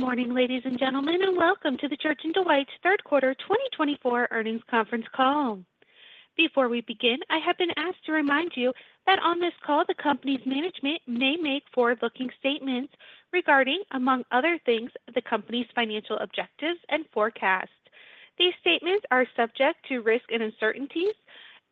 Good morning, ladies and gentlemen, and welcome to the Church & Dwight's third quarter 2024 earnings conference call. Before we begin, I have been asked to remind you that on this call, the company's management may make forward-looking statements regarding, among other things, the company's financial objectives and forecast. These statements are subject to risk and uncertainties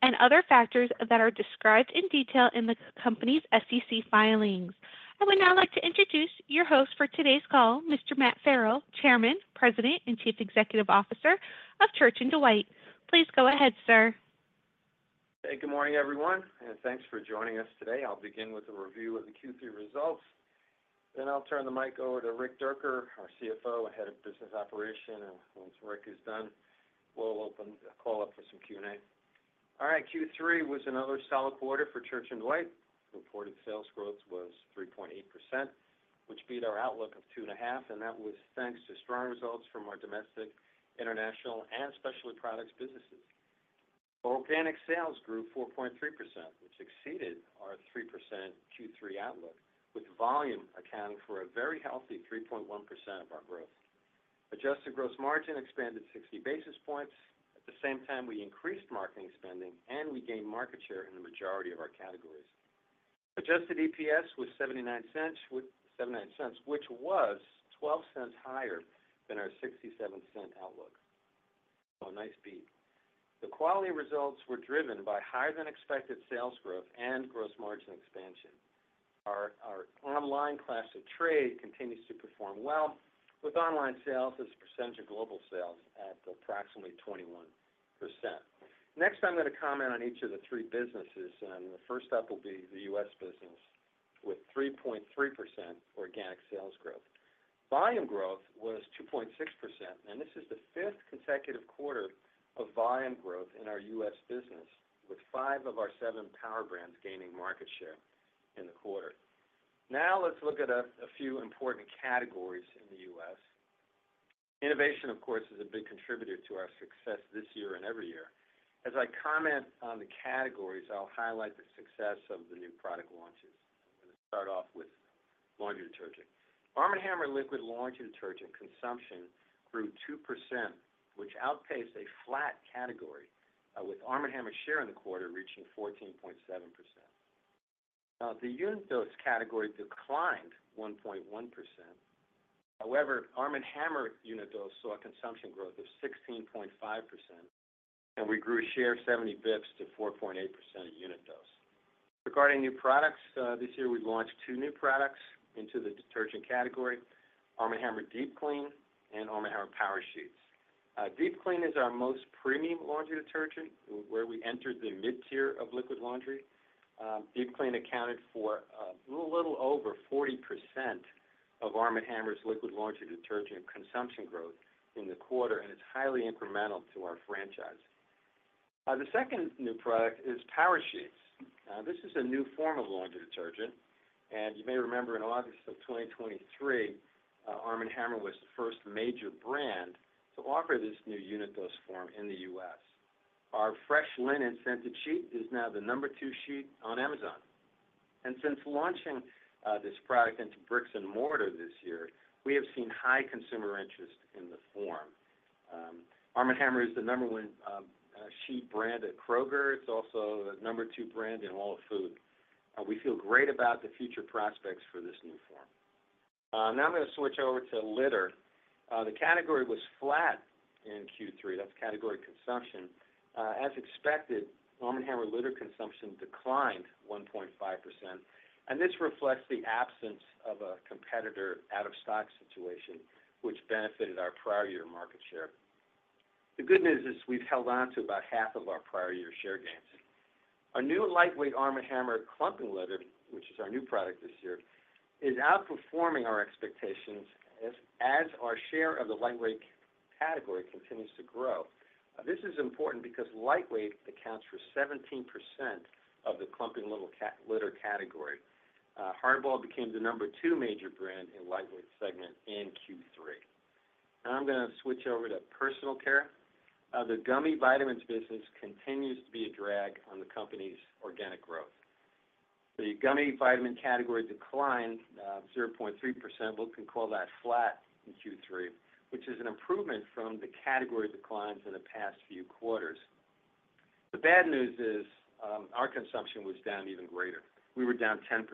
and other factors that are described in detail in the company's SEC filings. I would now like to introduce your host for today's call, Mr. Matt Farrell, Chairman, President, and Chief Executive Officer of Church & Dwight. Please go ahead, sir. Good morning, everyone, and thanks for joining us today. I'll begin with a review of the Q3 results, then I'll turn the mic over to Rick Dierker, our CFO and head of business operations. And once Rick is done, we'll open the call up for some Q&A. All right, Q3 was another solid quarter for Church & Dwight. Reported sales growth was 3.8%, which beat our outlook of 2.5%, and that was thanks to strong results from our domestic, international, and specialty products businesses. Organic sales grew 4.3%, which exceeded our 3% Q3 outlook, with volume accounting for a very healthy 3.1% of our growth. Adjusted gross margin expanded 60 basis points. At the same time, we increased marketing spending, and we gained market share in the majority of our categories. Adjusted EPS was $0.79, which was $0.12 higher than our $0.67 outlook, a nice beat. The quality results were driven by higher-than-expected sales growth and gross margin expansion. Our online class of trade continues to perform well, with online sales as a percentage of global sales at approximately 21%. Next, I'm going to comment on each of the three businesses, and the first up will be the U.S. business with 3.3% organic sales growth. Volume growth was 2.6%, and this is the fifth consecutive quarter of volume growth in our U.S. business, with five of our seven power brands gaining market share in the quarter. Now, let's look at a few important categories in the U.S. Innovation, of course, is a big contributor to our success this year and every year. As I comment on the categories, I'll highlight the success of the new product launches. I'm going to start off with laundry detergent. Arm & Hammer liquid laundry detergent consumption grew 2%, which outpaced a flat category, with Arm & Hammer's share in the quarter reaching 14.7%. The unit dose category declined 1.1%. However, Arm & Hammer unit dose saw a consumption growth of 16.5%, and we grew a share of 70 basis points to 4.8% of unit dose. Regarding new products, this year we launched two new products into the detergent category: Arm & Hammer Deep Clean and Arm & Hammer Power Sheets. Deep Clean is our most premium laundry detergent, where we entered the mid-tier of liquid laundry. Deep Clean accounted for a little over 40% of Arm & Hammer's liquid laundry detergent consumption growth in the quarter, and it's highly incremental to our franchise. The second new product is Power Sheets. This is a new form of laundry detergent, and you may remember in August of 2023, Arm & Hammer was the first major brand to offer this new unit dose form in the U.S. Our fresh linen scented sheet is now the number two sheet on Amazon, and since launching this product into bricks and mortar this year, we have seen high consumer interest in the form. Arm & Hammer is the number one sheet brand at Kroger. It's also the number two brand in all of Food. We feel great about the future prospects for this new form. Now I'm going to switch over to litter. The category was flat in Q3. That's category consumption. As expected, Arm & Hammer litter consumption declined 1.5%, and this reflects the absence of a competitor out-of-stock situation, which benefited our prior year market share. The good news is we've held on to about half of our prior year share gains. Our new lightweight Arm & Hammer clumping litter, which is our new product this year, is outperforming our expectations as our share of the lightweight category continues to grow. This is important because lightweight accounts for 17% of the clumping litter category. HardBall became the number two major brand in the lightweight segment in Q3. Now I'm going to switch over to personal care. The gummy vitamins business continues to be a drag on the company's organic growth. The gummy vitamin category declined 0.3%. We can call that flat in Q3, which is an improvement from the category declines in the past few quarters. The bad news is our consumption was down even greater. We were down 10%.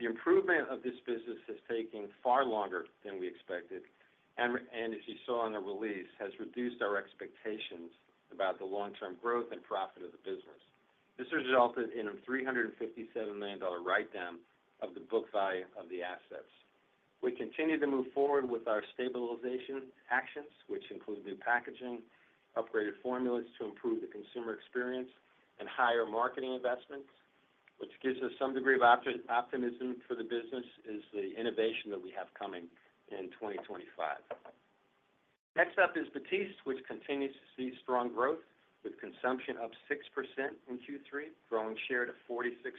The improvement of this business has taken far longer than we expected, and as you saw in the release, has reduced our expectations about the long-term growth and profit of the business. This has resulted in a $357 million write-down of the book value of the assets. We continue to move forward with our stabilization actions, which include new packaging, upgraded formulas to improve the consumer experience, and higher marketing investments, which gives us some degree of optimism for the business, is the innovation that we have coming in 2025. Next up is Batiste, which continues to see strong growth with consumption up 6% in Q3, growing share to 46%.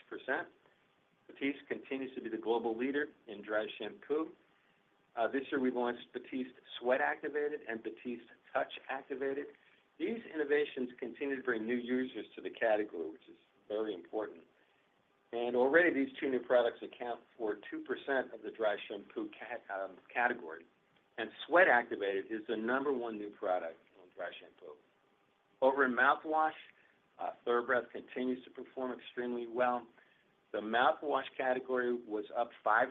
Batiste continues to be the global leader in dry shampoo. This year we launched Batiste Sweat Activated and Batiste Touch Activated. These innovations continue to bring new users to the category, which is very important. Already these two new products account for 2% of the dry shampoo category, and Sweat Activated is the number one new product on dry shampoo. Over in mouthwash, TheraBreath continues to perform extremely well. The mouthwash category was up 5%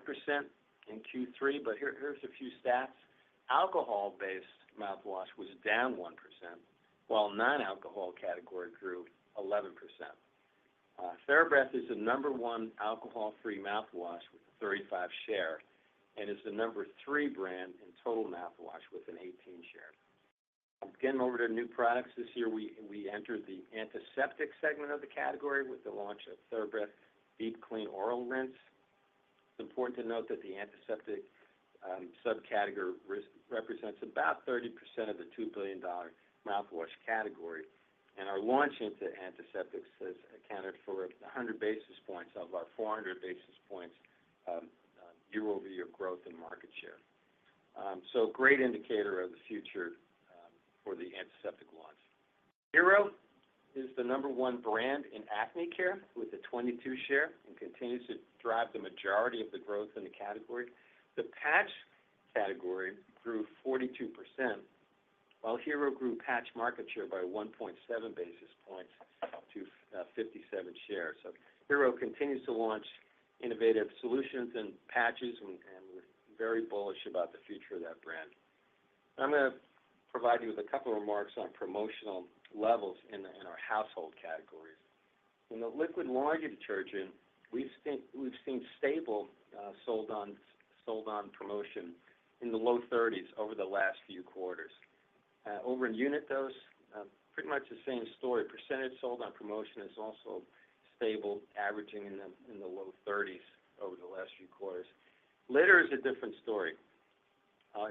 in Q3, but here's a few stats. Alcohol-based mouthwash was down 1%, while non-alcohol category grew 11%. TheraBreath is the number one alcohol-free mouthwash with a 35% share and is the number three brand in total mouthwash with an 18% share. Getting over to new products, this year we entered the antiseptic segment of the category with the launch of TheraBreath Deep Clean Oral Rinse. It's important to note that the antiseptic subcategory represents about 30% of the $2 billion mouthwash category, and our launch into antiseptics has accounted for 100 basis points of our 400 basis points year-over-year growth in market share. So a great indicator of the future for the antiseptic launch. Hero is the number one brand in acne care with a 22 share and continues to drive the majority of the growth in the category. The patch category grew 42%, while Hero grew patch market share by 1.7 basis points to 57 shares. So Hero continues to launch innovative solutions and patches and is very bullish about the future of that brand. I'm going to provide you with a couple of remarks on promotional levels in our household categories. In the liquid laundry detergent, we've seen stable sold on promotion in the low 30s over the last few quarters. Over in unit dose, pretty much the same story. Percentage sold on promotion is also stable, averaging in the low 30s over the last few quarters. Litter is a different story.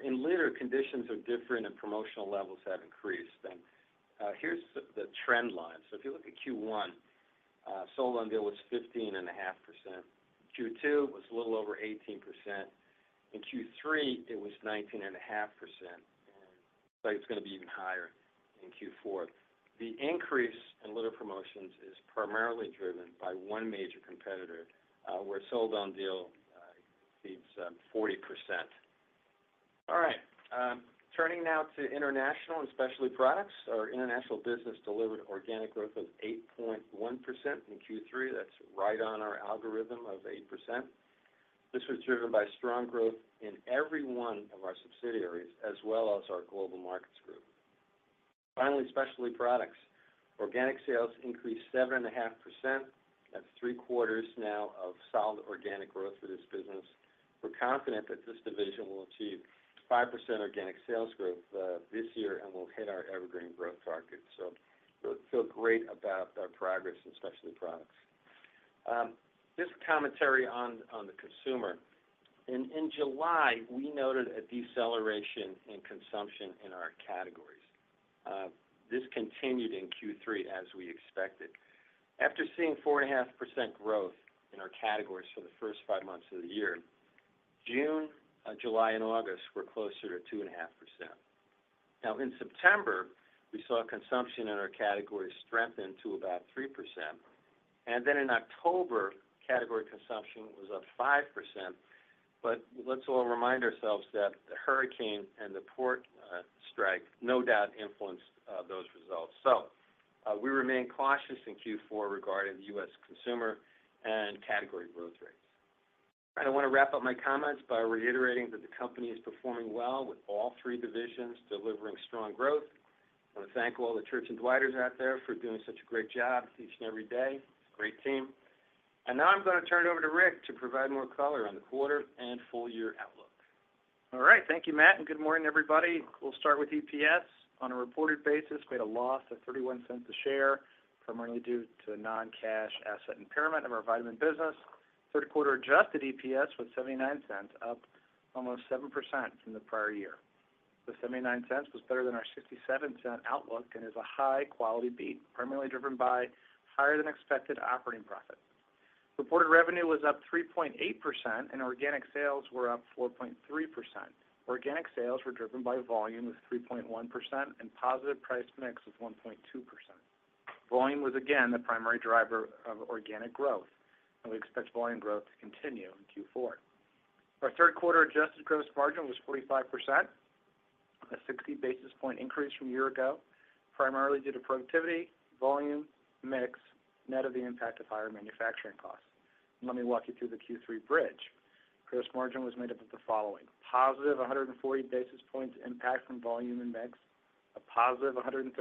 In litter, conditions are different and promotional levels have increased. Here's the trend line. If you look at Q1, sold-on deal was 15.5%. Q2 was a little over 18%. In Q3, it was 19.5%, and it's going to be even higher in Q4. The increase in litter promotions is primarily driven by one major competitor, where sold-on deal exceeds 40%. All right, turning now to international and specialty products. Our international business delivered organic growth of 8.1% in Q3. That's right on our algorithm of 8%. This was driven by strong growth in every one of our subsidiaries as well as our Global Markets Group. Finally, specialty products. Organic sales increased 7.5%. That's three quarters now of solid organic growth for this business. We're confident that this division will achieve 5% organic sales growth this year and will hit our evergreen growth target. We feel great about our progress in specialty products. Just commentary on the consumer. In July, we noted a deceleration in consumption in our categories. This continued in Q3 as we expected. After seeing 4.5% growth in our categories for the first five months of the year, June, July, and August were closer to 2.5%. Now, in September, we saw consumption in our category strengthen to about 3%. And then in October, category consumption was up 5%. But let's all remind ourselves that the hurricane and the port strike no doubt influenced those results. So we remain cautious in Q4 regarding the U.S. consumer and category growth rates. I want to wrap up my comments by reiterating that the company is performing well with all three divisions, delivering strong growth. I want to thank all the Church & Dwight's out there for doing such a great job each and every day. Great team. Now I'm going to turn it over to Rick to provide more color on the quarter and full year outlook. All right, thank you, Matt. And good morning, everybody. We'll start with EPS. On a reported basis, we had a loss of $0.31 a share, primarily due to non-cash asset impairment of our vitamin business. Third quarter adjusted EPS was $0.79, up almost 7% from the prior year. The $0.79 was better than our $0.67 outlook and is a high-quality beat, primarily driven by higher-than-expected operating profits. Reported revenue was up 3.8%, and organic sales were up 4.3%. Organic sales were driven by volume with 3.1% and positive price mix of 1.2%. Volume was again the primary driver of organic growth, and we expect volume growth to continue in Q4. Our third quarter adjusted gross margin was 45%, a 60 basis points increase from a year ago, primarily due to productivity, volume, mix, net of the impact of higher manufacturing costs. Let me walk you through the Q3 bridge. Gross margin was made up of the following: a positive 140 basis point impact from volume and mix, a positive 130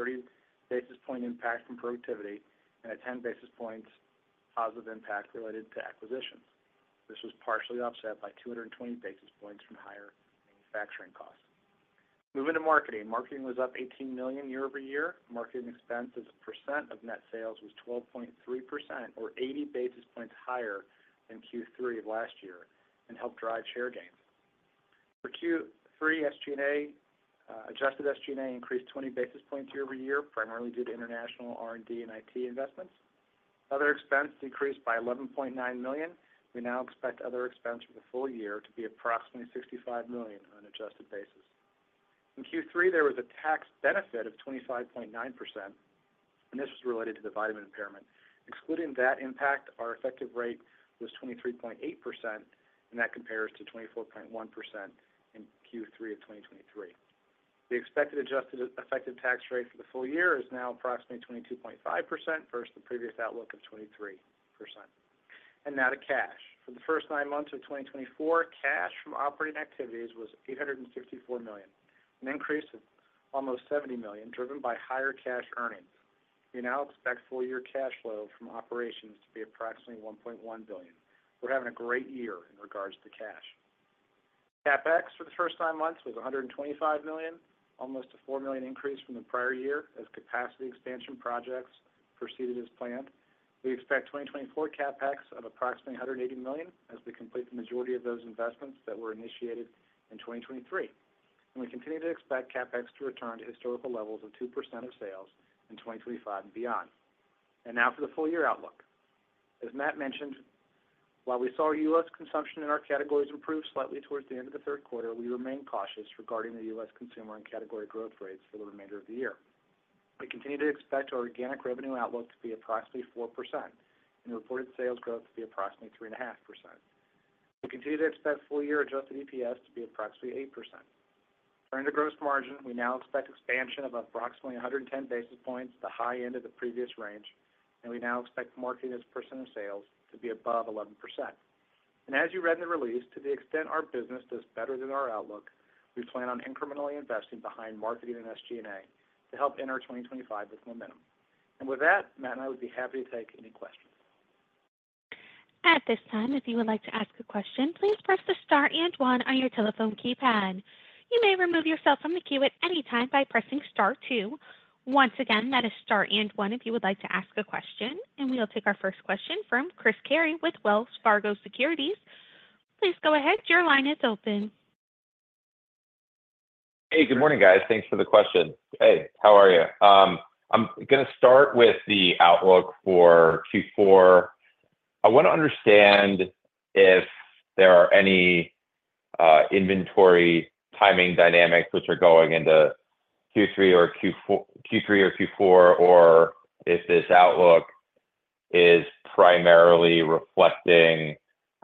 basis point impact from productivity, and a 10 basis point positive impact related to acquisitions. This was partially offset by 220 basis points from higher manufacturing costs. Moving to marketing. Marketing was up $18 million year-over-year. Marketing expenses percent of net sales was 12.3%, or 80 basis points higher than Q3 of last year, and helped drive share gains. For Q3, SG&A, adjusted SG&A increased 20 basis points year-over-year, primarily due to international R&D and IT investments. Other expense decreased by $11.9 million. We now expect other expense for the full-year to be approximately $65 million on an adjusted basis. In Q3, there was a tax benefit of 25.9%, and this was related to the vitamin impairment. Excluding that impact, our effective rate was 23.8%, and that compares to 24.1% in Q3 of 2023. The expected adjusted effective tax rate for the full-year is now approximately 22.5% versus the previous outlook of 23%. And now to cash. For the first nine months of 2024, cash from operating activities was $854 million, an increase of almost $70 million driven by higher cash earnings. We now expect full-year cash flow from operations to be approximately $1.1 billion. We're having a great year in regards to cash. CapEx for the first nine months was $125 million, almost a $4 million increase from the prior year as capacity expansion projects proceeded as planned. We expect 2024 CapEx of approximately $180 million as we complete the majority of those investments that were initiated in 2023. We continue to expect CapEx to return to historical levels of 2% of sales in 2025 and beyond. Now for the full-year outlook. As Matt mentioned, while we saw U.S. consumption in our categories improve slightly towards the end of the third quarter, we remain cautious regarding the U.S. consumer and category growth rates for the remainder of the year. We continue to expect our organic revenue outlook to be approximately 4% and reported sales growth to be approximately 3.5%. We continue to expect full-year Adjusted EPS to be approximately 8%. Turning to gross margin, we now expect expansion of approximately 110 basis points to the high end of the previous range, and we now expect marketing as percent of sales to be above 11%. And as you read in the release, to the extent our business does better than our outlook, we plan on incrementally investing behind marketing and SG&A to help in our 2025 with momentum. And with that, Matt and I would be happy to take any questions. At this time, if you would like to ask a question, please press the Star and one on your telephone keypad. You may remove yourself from the queue at any time by pressing Star two. Once again, that is Star and 1 if you would like to ask a question. And we'll take our first question from Chris Carey with Wells Fargo Securities. Please go ahead. Your line is open. Hey, good morning, guys. Thanks for the question. Hey, how are you? I'm going to start with the outlook for Q4. I want to understand if there are any inventory timing dynamics which are going into Q3 or Q4, or if this outlook is primarily reflecting,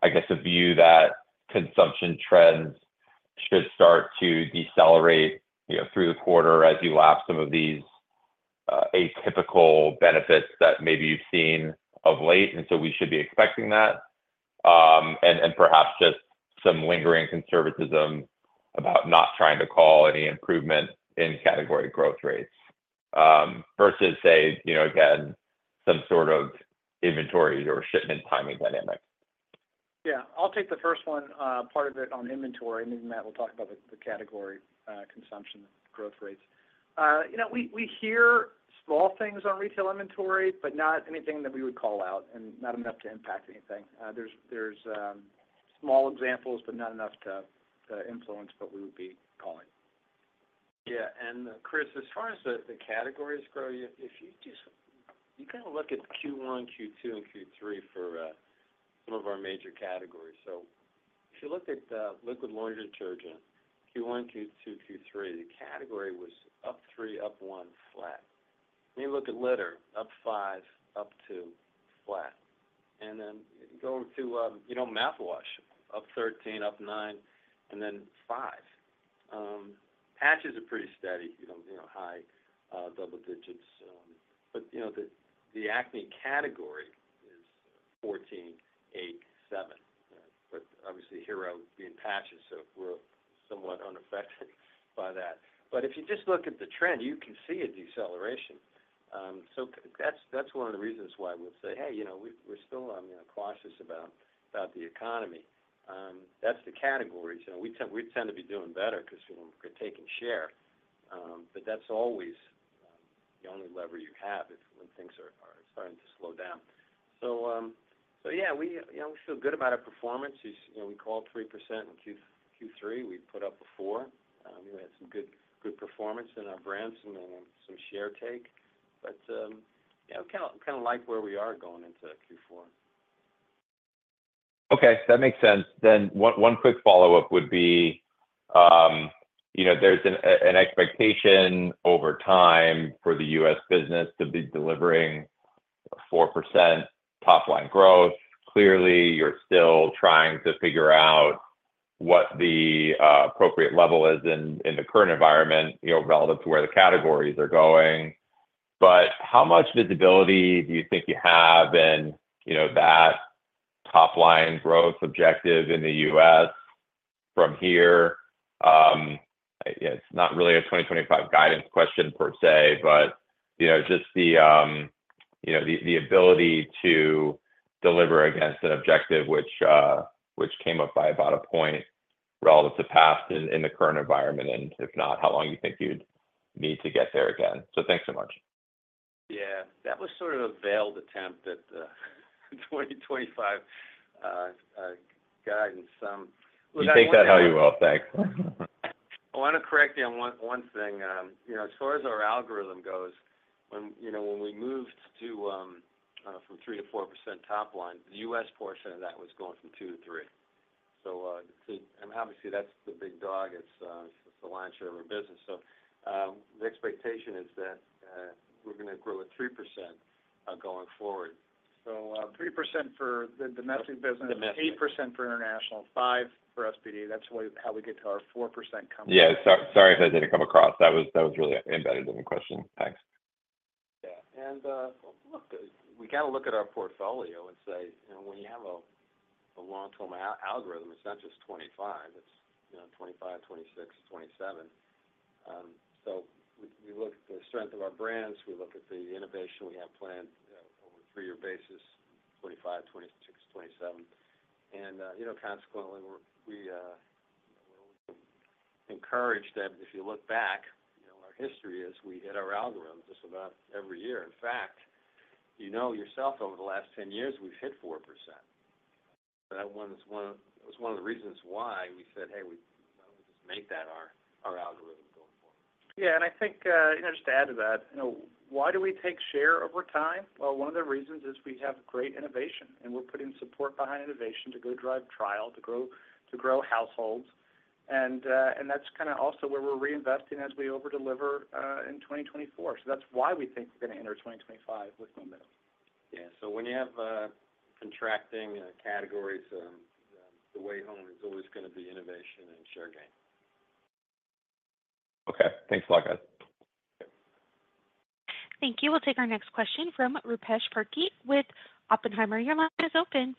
I guess, a view that consumption trends should start to decelerate through the quarter as you lapse some of these atypical benefits that maybe you've seen of late. And so we should be expecting that and perhaps just some lingering conservatism about not trying to call any improvement in category growth rates versus, say, again, some sort of inventory or shipment timing dynamic. Yeah, I'll take the first one, part of it on inventory, and then Matt will talk about the category consumption growth rates. We hear small things on retail inventory, but not anything that we would call out and not enough to impact anything. There's small examples, but not enough to influence what we would be calling. Yeah. And Chris, as far as the categories grow, if you just, you kind of look at Q1, Q2, and Q3 for some of our major categories. So if you look at liquid laundry detergent, Q1, Q2, Q3, the category was up 3%, up 1%, flat. Then you look at litter, up 5%, up 2%, flat. And then going to mouthwash, up 13%, up 9%, and then 5%. Patches are pretty steady, high double digits. But the acne category is 14%, 8%, 7%. But obviously, Hero being patches, so we're somewhat unaffected by that. But if you just look at the trend, you can see a deceleration. So that's one of the reasons why we'll say, "Hey, we're still cautious about the economy." That's the categories. We tend to be doing better because we're taking share. But that's always the only lever you have when things are starting to slow down. So yeah, we feel good about our performance. We called 3% in Q3. We put up a 4. We had some good performance in our brands and some share take. But kind of like where we are going into Q4. Okay, that makes sense. Then one quick follow-up would be there's an expectation over time for the U.S. business to be delivering 4% top-line growth. Clearly, you're still trying to figure out what the appropriate level is in the current environment relative to where the categories are going. But how much visibility do you think you have in that top-line growth objective in the U.S. from here? It's not really a 2025 guidance question per se, but just the ability to deliver against an objective which came up by about a point relative to past in the current environment. And if not, how long you think you'd need to get there again? So thanks so much. Yeah, that was sort of a veiled attempt at 2025 guidance. You take that how you will. Thanks. I want to correct you on one thing. As far as our algorithm goes, when we moved from 3%-4% top line, the U.S. portion of that was going from 2%-3%. So obviously, that's the big dog. It's the lion's share of our business. So the expectation is that we're going to grow at 3% going forward. 3% for domestic business, 8% for international, 5% for SPD. That's how we get to our 4% coming in. Yeah, sorry if I didn't come across. That was really embedded in the question. Thanks. Yeah. And we kind of look at our portfolio and say, when you have a long-term algorithm, it's not just 2025. It's 2025, 2026, 2027. So we look at the strength of our brands. We look at the innovation we have planned over a three-year basis, 2025, 2026, 2027. And consequently, we're always encouraged that if you look back, our history is we hit our algorithm just about every year. In fact, you know yourself, over the last 10 years, we've hit 4%. That was one of the reasons why we said, "Hey, why don't we just make that our algorithm going forward? Yeah. And I think just to add to that, why do we take share over time? Well, one of the reasons is we have great innovation, and we're putting support behind innovation to go drive trial, to grow households. And that's kind of also where we're reinvesting as we overdeliver in 2024. So that's why we think we're going to enter 2025 with momentum. Yeah. So when you have contracting categories, the way home is always going to be innovation and share gain. Okay. Thanks, Rick. Thank you. We'll take our next question from Rupesh Parikh with Oppenheimer. Your line is open.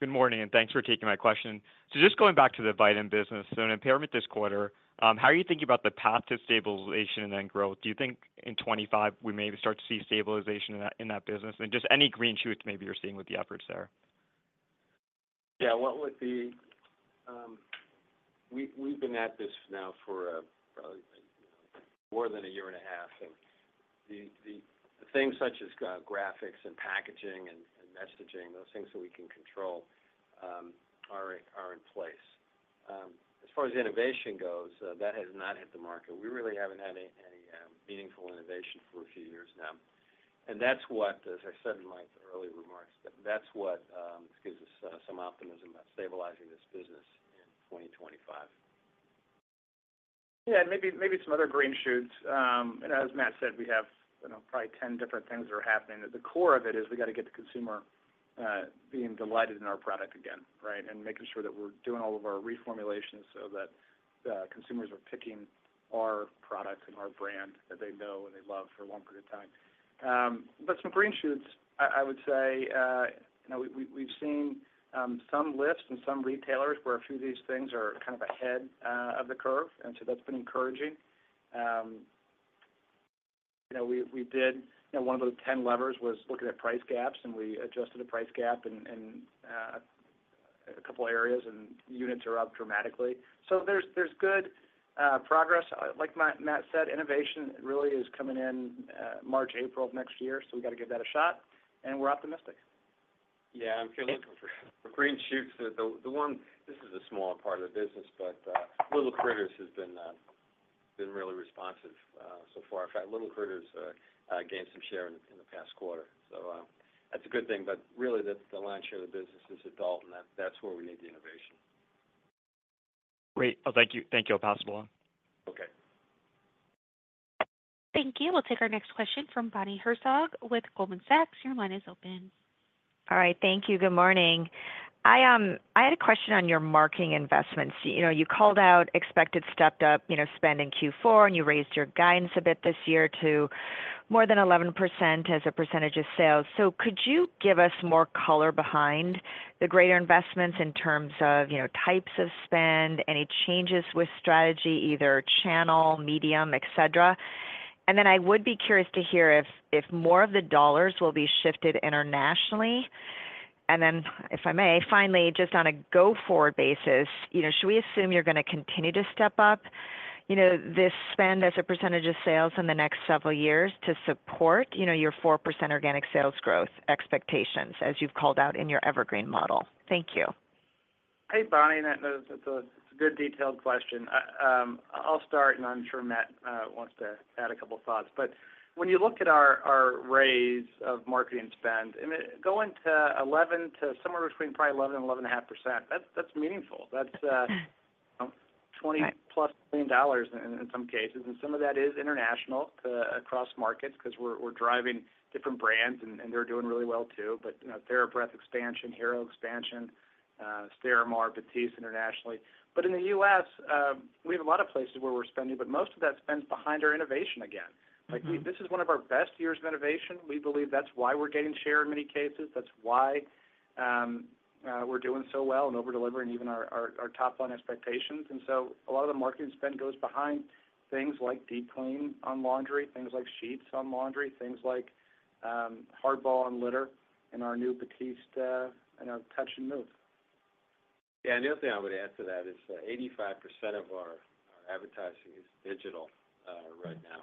Good morning, and thanks for taking my question. So just going back to the vitamin business, so an impairment this quarter, how are you thinking about the path to stabilization and then growth? Do you think in 2025 we maybe start to see stabilization in that business? And just any green shoots maybe you're seeing with the efforts there? Yeah. We've been at this now for probably more than a year and a half, and the things such as graphics and packaging and messaging, those things that we can control are in place. As far as innovation goes, that has not hit the market. We really haven't had any meaningful innovation for a few years now, and that's what, as I said in my earlier remarks, that's what gives us some optimism about stabilizing this business in 2025. Yeah, and maybe some other green shoots. As Matt said, we have probably 10 different things that are happening. The core of it is we got to get the consumer being delighted in our product again, right, and making sure that we're doing all of our reformulations so that consumers are picking our products and our brand that they know and they love for a long period of time. But some green shoots, I would say we've seen some lifts in some retailers where a few of these things are kind of ahead of the curve, and so that's been encouraging. We did one of those 10 levers was looking at price gaps, and we adjusted a price gap in a couple of areas, and units are up dramatically, so there's good progress. Like Matt said, innovation really is coming in March, April of next year. So we got to give that a shot. And we're optimistic. Yeah. If you're looking for green shoots, this is a smaller part of the business, but L'il Critters has been really responsive so far. In fact, L'il Critters gained some share in the past quarter. So that's a good thing. But really, the lion's share of the business is adult, and that's where we need the innovation. Great. Well, thank you. Thank you, i will pass along. Okay. Thank you. We'll take our next question from Bonnie Herzog with Goldman Sachs. Your line is open. All right. Thank you. Good morning. I had a question on your marketing investments. You called out expected stepped-up spend in Q4, and you raised your guidance a bit this year to more than 11% as a percentage of sales. So could you give us more color behind the greater investments in terms of types of spend, any changes with strategy, either channel, medium, etc.? And then I would be curious to hear if more of the dollars will be shifted internationally. And then if I may, finally, just on a go-forward basis, should we assume you're going to continue to step up this spend as a percentage of sales in the next several years to support your 4% organic sales growth expectations as you've called out in your evergreen model? Thank you. Hey, Bonnie. That's a good detailed question. I'll start, and I'm sure Matt wants to add a couple of thoughts. But when you look at our raise of marketing spend, going to 11% to somewhere between probably 11% and 11.5%, that's meaningful. That's $20+ million dollars in some cases. And some of that is international across markets because we're driving different brands, and they're doing really well too. But TheraBreath expansion, Hero expansion, Sterimar, Batiste internationally. But in the U.S., we have a lot of places where we're spending, but most of that spend's behind our innovation again. This is one of our best years of innovation. We believe that's why we're getting share in many cases. That's why we're doing so well and overdelivering even our top-line expectations. A lot of the marketing spend goes behind things like Deep Clean on laundry, things like sheets on laundry, things like HardBall on litter, and our new Batiste and our TheraBreath. Yeah, and the other thing I would add to that is 85% of our advertising is digital right now,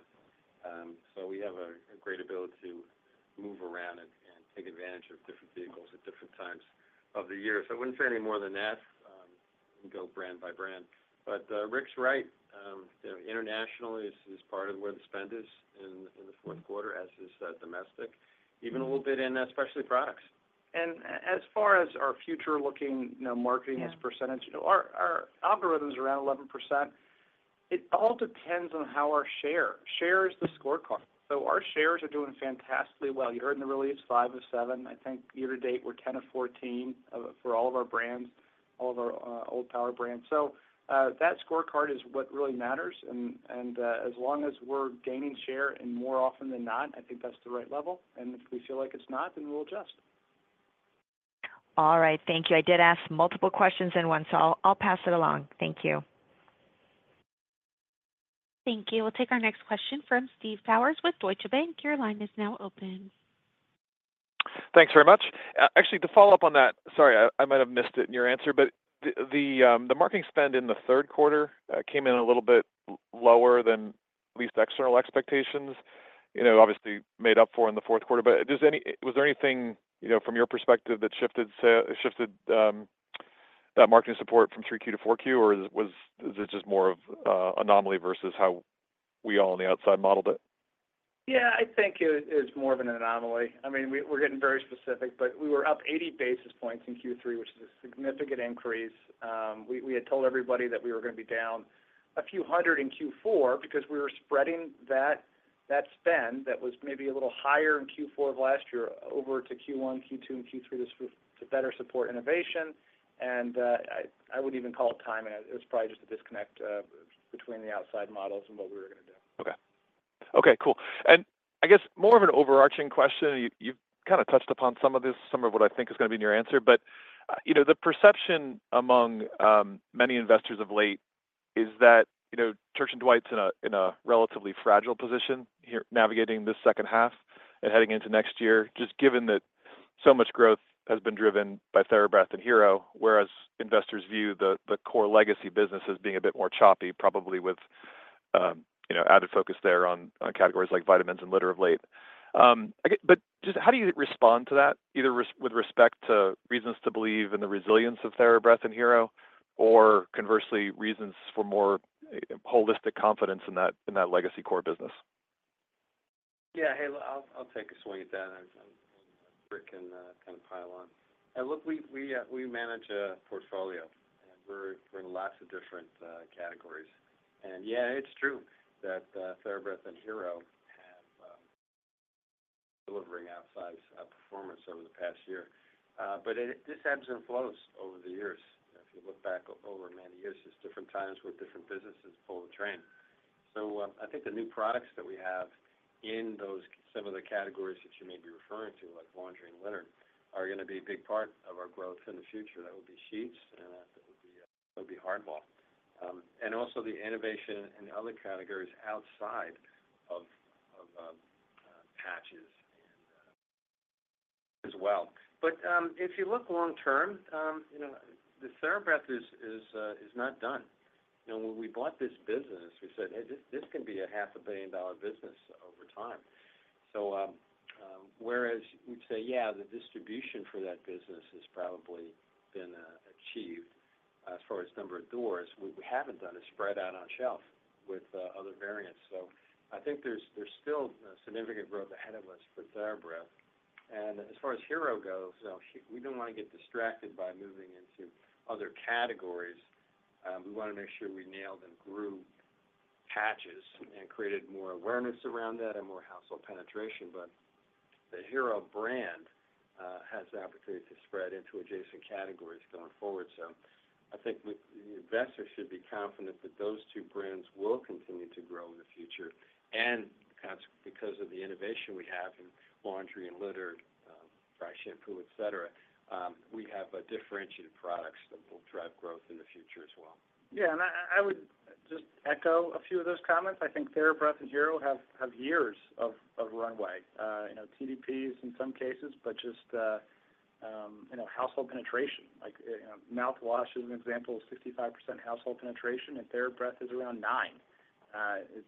so we have a great ability to move around and take advantage of different vehicles at different times of the year, so I wouldn't say any more than that. We can go brand by brand, but Rick's right. International is part of where the spend is in the fourth quarter, as is domestic, even a little bit in specialty products. And as far as our future-looking marketing as a percentage, our algorithm's around 11%. It all depends on how our share. Share is the scorecard. So our shares are doing fantastically well. You heard in the release, 5 of 7. I think year to date, we're 10 of 14 for all of our brands, all of our old power brands. So that scorecard is what really matters. And as long as we're gaining share and more often than not, I think that's the right level. And if we feel like it's not, then we'll adjust. All right. Thank you. I did ask multiple questions at once, so I'll pass it along. Thank you. Thank you. We'll take our next question from Steve Powers with Deutsche Bank. Your line is now open. Thanks very much. Actually, to follow up on that, sorry, I might have missed it in your answer, but the marketing spend in the third quarter came in a little bit lower than at least external expectations, obviously made up for in the fourth quarter. But was there anything from your perspective that shifted that marketing support from 3Q to 4Q, or is it just more of an anomaly versus how we all on the outside modeled it? Yeah, I think it is more of an anomaly. I mean, we're getting very specific, but we were up 80 basis points in Q3, which is a significant increase. We had told everybody that we were going to be down a few hundred in Q4 because we were spreading that spend that was maybe a little higher in Q4 of last year over to Q1, Q2, and Q3 to better support innovation, and I wouldn't even call it timing. It was probably just a disconnect between the outside models and what we were going to do. Okay. Okay. Cool. And I guess more of an overarching question. You've kind of touched upon some of this, some of what I think is going to be in your answer. But the perception among many investors of late is that Church & Dwight's in a relatively fragile position navigating this second half and heading into next year, just given that so much growth has been driven by TheraBreath and Hero, whereas investors view the core legacy business as being a bit more choppy, probably with added focus there on categories like vitamins and litter of late. But just how do you respond to that, either with respect to reasons to believe in the resilience of TheraBreath and Hero, or conversely, reasons for more holistic confidence in that legacy core business? Yeah. Hey, I'll take a swing at that. In the kind of pile-on. Look, we manage a portfolio, and we're in lots of different categories. And yeah, it's true that TheraBreath and Hero have delivering outsized performance over the past year. But this ebbs and flows over the years. If you look back over many years, there's different times where different businesses pull the train. So I think the new products that we have in those some of the categories that you may be referring to, like laundry and litter, are going to be a big part of our growth in the future. That would be sheets, and that would be hardBall. And also the innovation in other categories outside of patches as well. But if you look long-term, the TheraBreath is not done. When we bought this business, we said, "Hey, this can be a $500 million business over time." So whereas we'd say, "Yeah, the distribution for that business has probably been achieved as far as number of doors," we haven't done a spread out on shelf with other variants. So I think there's still significant growth ahead of us for TheraBreath. And as far as Hero goes, we don't want to get distracted by moving into other categories. We want to make sure we nailed and grew patches and created more awareness around that and more household penetration. But the Hero brand has the opportunity to spread into adjacent categories going forward. So I think the investors should be confident that those two brands will continue to grow in the future. Because of the innovation we have in laundry and litter, dry shampoo, etc., we have differentiated products that will drive growth in the future as well. Yeah. And I would just echo a few of those comments. I think TheraBreath and Hero have years of runway. TDPs in some cases, but just household penetration. Mouthwash is an example of 65% household penetration, and TheraBreath is around 9%.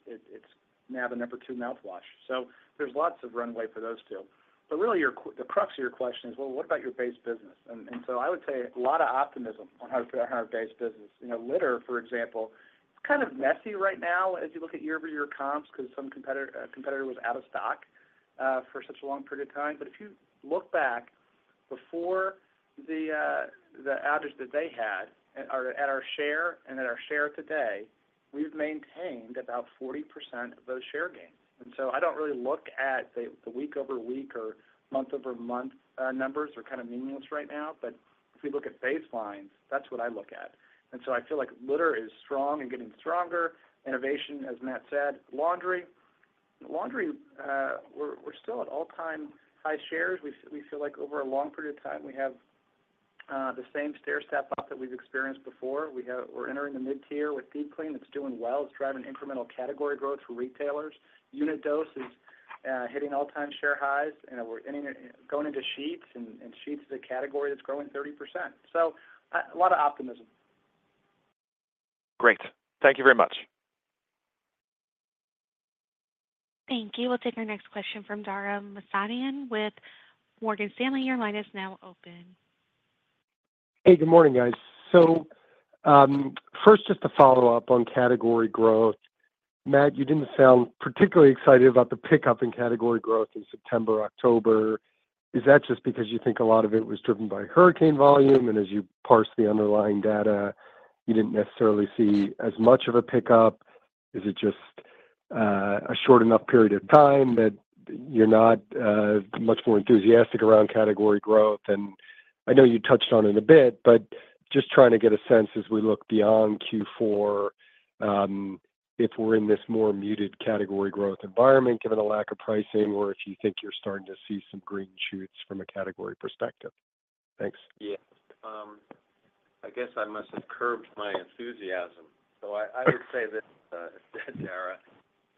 It's now the number two mouthwash. So there's lots of runway for those two. But really, the crux of your question is, "Well, what about your base business?" And so I would say a lot of optimism on our base business. Litter, for example, it's kind of messy right now as you look at year-over-year comps because some competitor was out of stock for such a long period of time. But if you look back before the outage that they had, at our share and at our share today, we've maintained about 40% of those share gains. And so I don't really look at the week-over-week or month-over-month numbers. They're kind of meaningless right now. But if we look at baselines, that's what I look at. And so I feel like litter is strong and getting stronger. Innovation, as Matt said, laundry. Laundry, we're still at all-time high shares. We feel like over a long period of time, we have the same stair step-up that we've experienced before. We're entering the mid-tier with Deep Clean. It's doing well. It's driving incremental category growth for retailers. Unit dose is hitting all-time share highs. We're going into sheets, and sheets is a category that's growing 30%. So a lot of optimism. Great. Thank you very much. Thank you. We'll take our next question from Dara Mohsenian with Morgan Stanley. Your line is now open. Hey, g`ood morning, guys. So first, just to follow up on category growth. Matt, you didn't sound particularly excited about the pickup in category growth in September, October. Is that just because you think a lot of it was driven by hurricane volume? And as you parsed the underlying data, you didn't necessarily see as much of a pickup. Is it just a short enough period of time that you're not much more enthusiastic around category growth? And I know you touched on it a bit, but just trying to get a sense as we look beyond Q4 if we're in this more muted category growth environment given the lack of pricing, or if you think you're starting to see some green shoots from a category perspective. Thanks. Yeah. I guess I must have curbed my enthusiasm. So I would say this, Dara,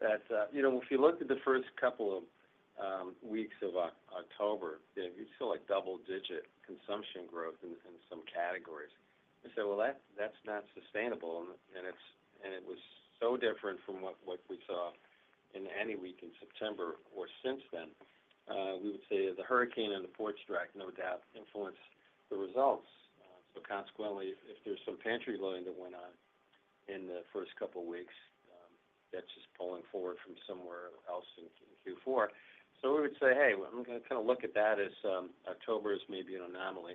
that if you looked at the first couple of weeks of October, you'd see double-digit consumption growth in some categories. I said, "Well, that's not sustainable." And it was so different from what we saw in any week in September or since then. We would say the hurricane and the port strike no doubt influenced the results. So consequently, if there's some pantry loading that went on in the first couple of weeks, that's just pulling forward from somewhere else in Q4. So we would say, "Hey, I'm going to kind of look at that as October as maybe an anomaly."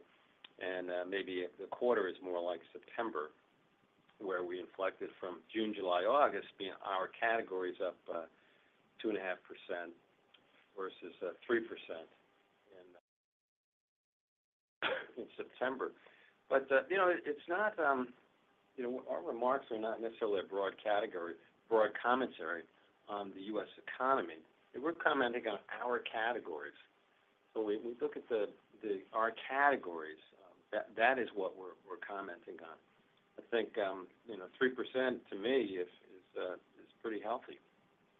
And maybe the quarter is more like September, where we inflected from June, July, August, being our categories up 2.5% versus 3% in September. But it's not. Our remarks are not necessarily a broad commentary on the U.S. economy. We're commenting on our categories. So we look at our categories. That is what we're commenting on. I think 3% to me is pretty healthy.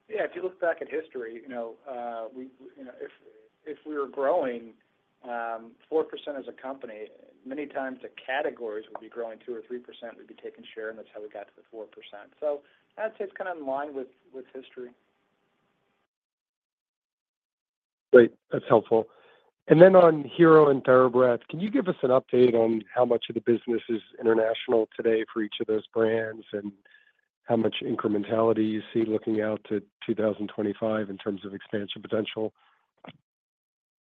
Yeah. If you look back at history, if we were growing 4% as a company, many times the categories would be growing 2% or 3%, we'd be taking share, and that's how we got to the 4%. So I'd say it's kind of in line with history. Great. That's helpful. And then on Hero and TheraBreath, can you give us an update on how much of the business is international today for each of those brands and how much incrementality you see looking out to 2025 in terms of expansion potential?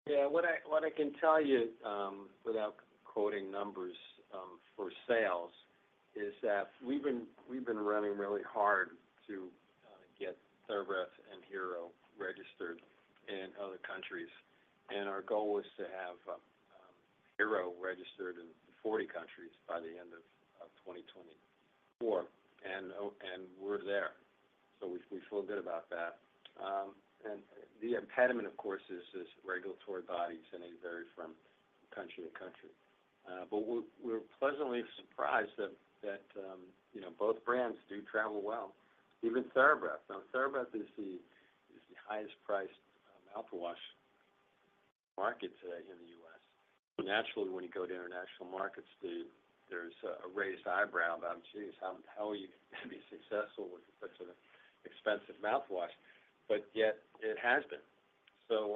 Yeah. What I can tell you without quoting numbers for sales is that we've been running really hard to get TheraBreath and Hero registered in other countries. And our goal was to have Hero registered in 40 countries by the end of 2024. And we're there. So we feel good about that. And the impediment, of course, is regulatory bodies, and they vary from country to country. But we're pleasantly surprised that both brands do travel well, even TheraBreath. Now, TheraBreath is the highest-priced mouthwash market in the U.S. Naturally, when you go to international markets, there's a raised eyebrow about, "Geez, how are you going to be successful with such an expensive mouthwash?" But yet it has been. So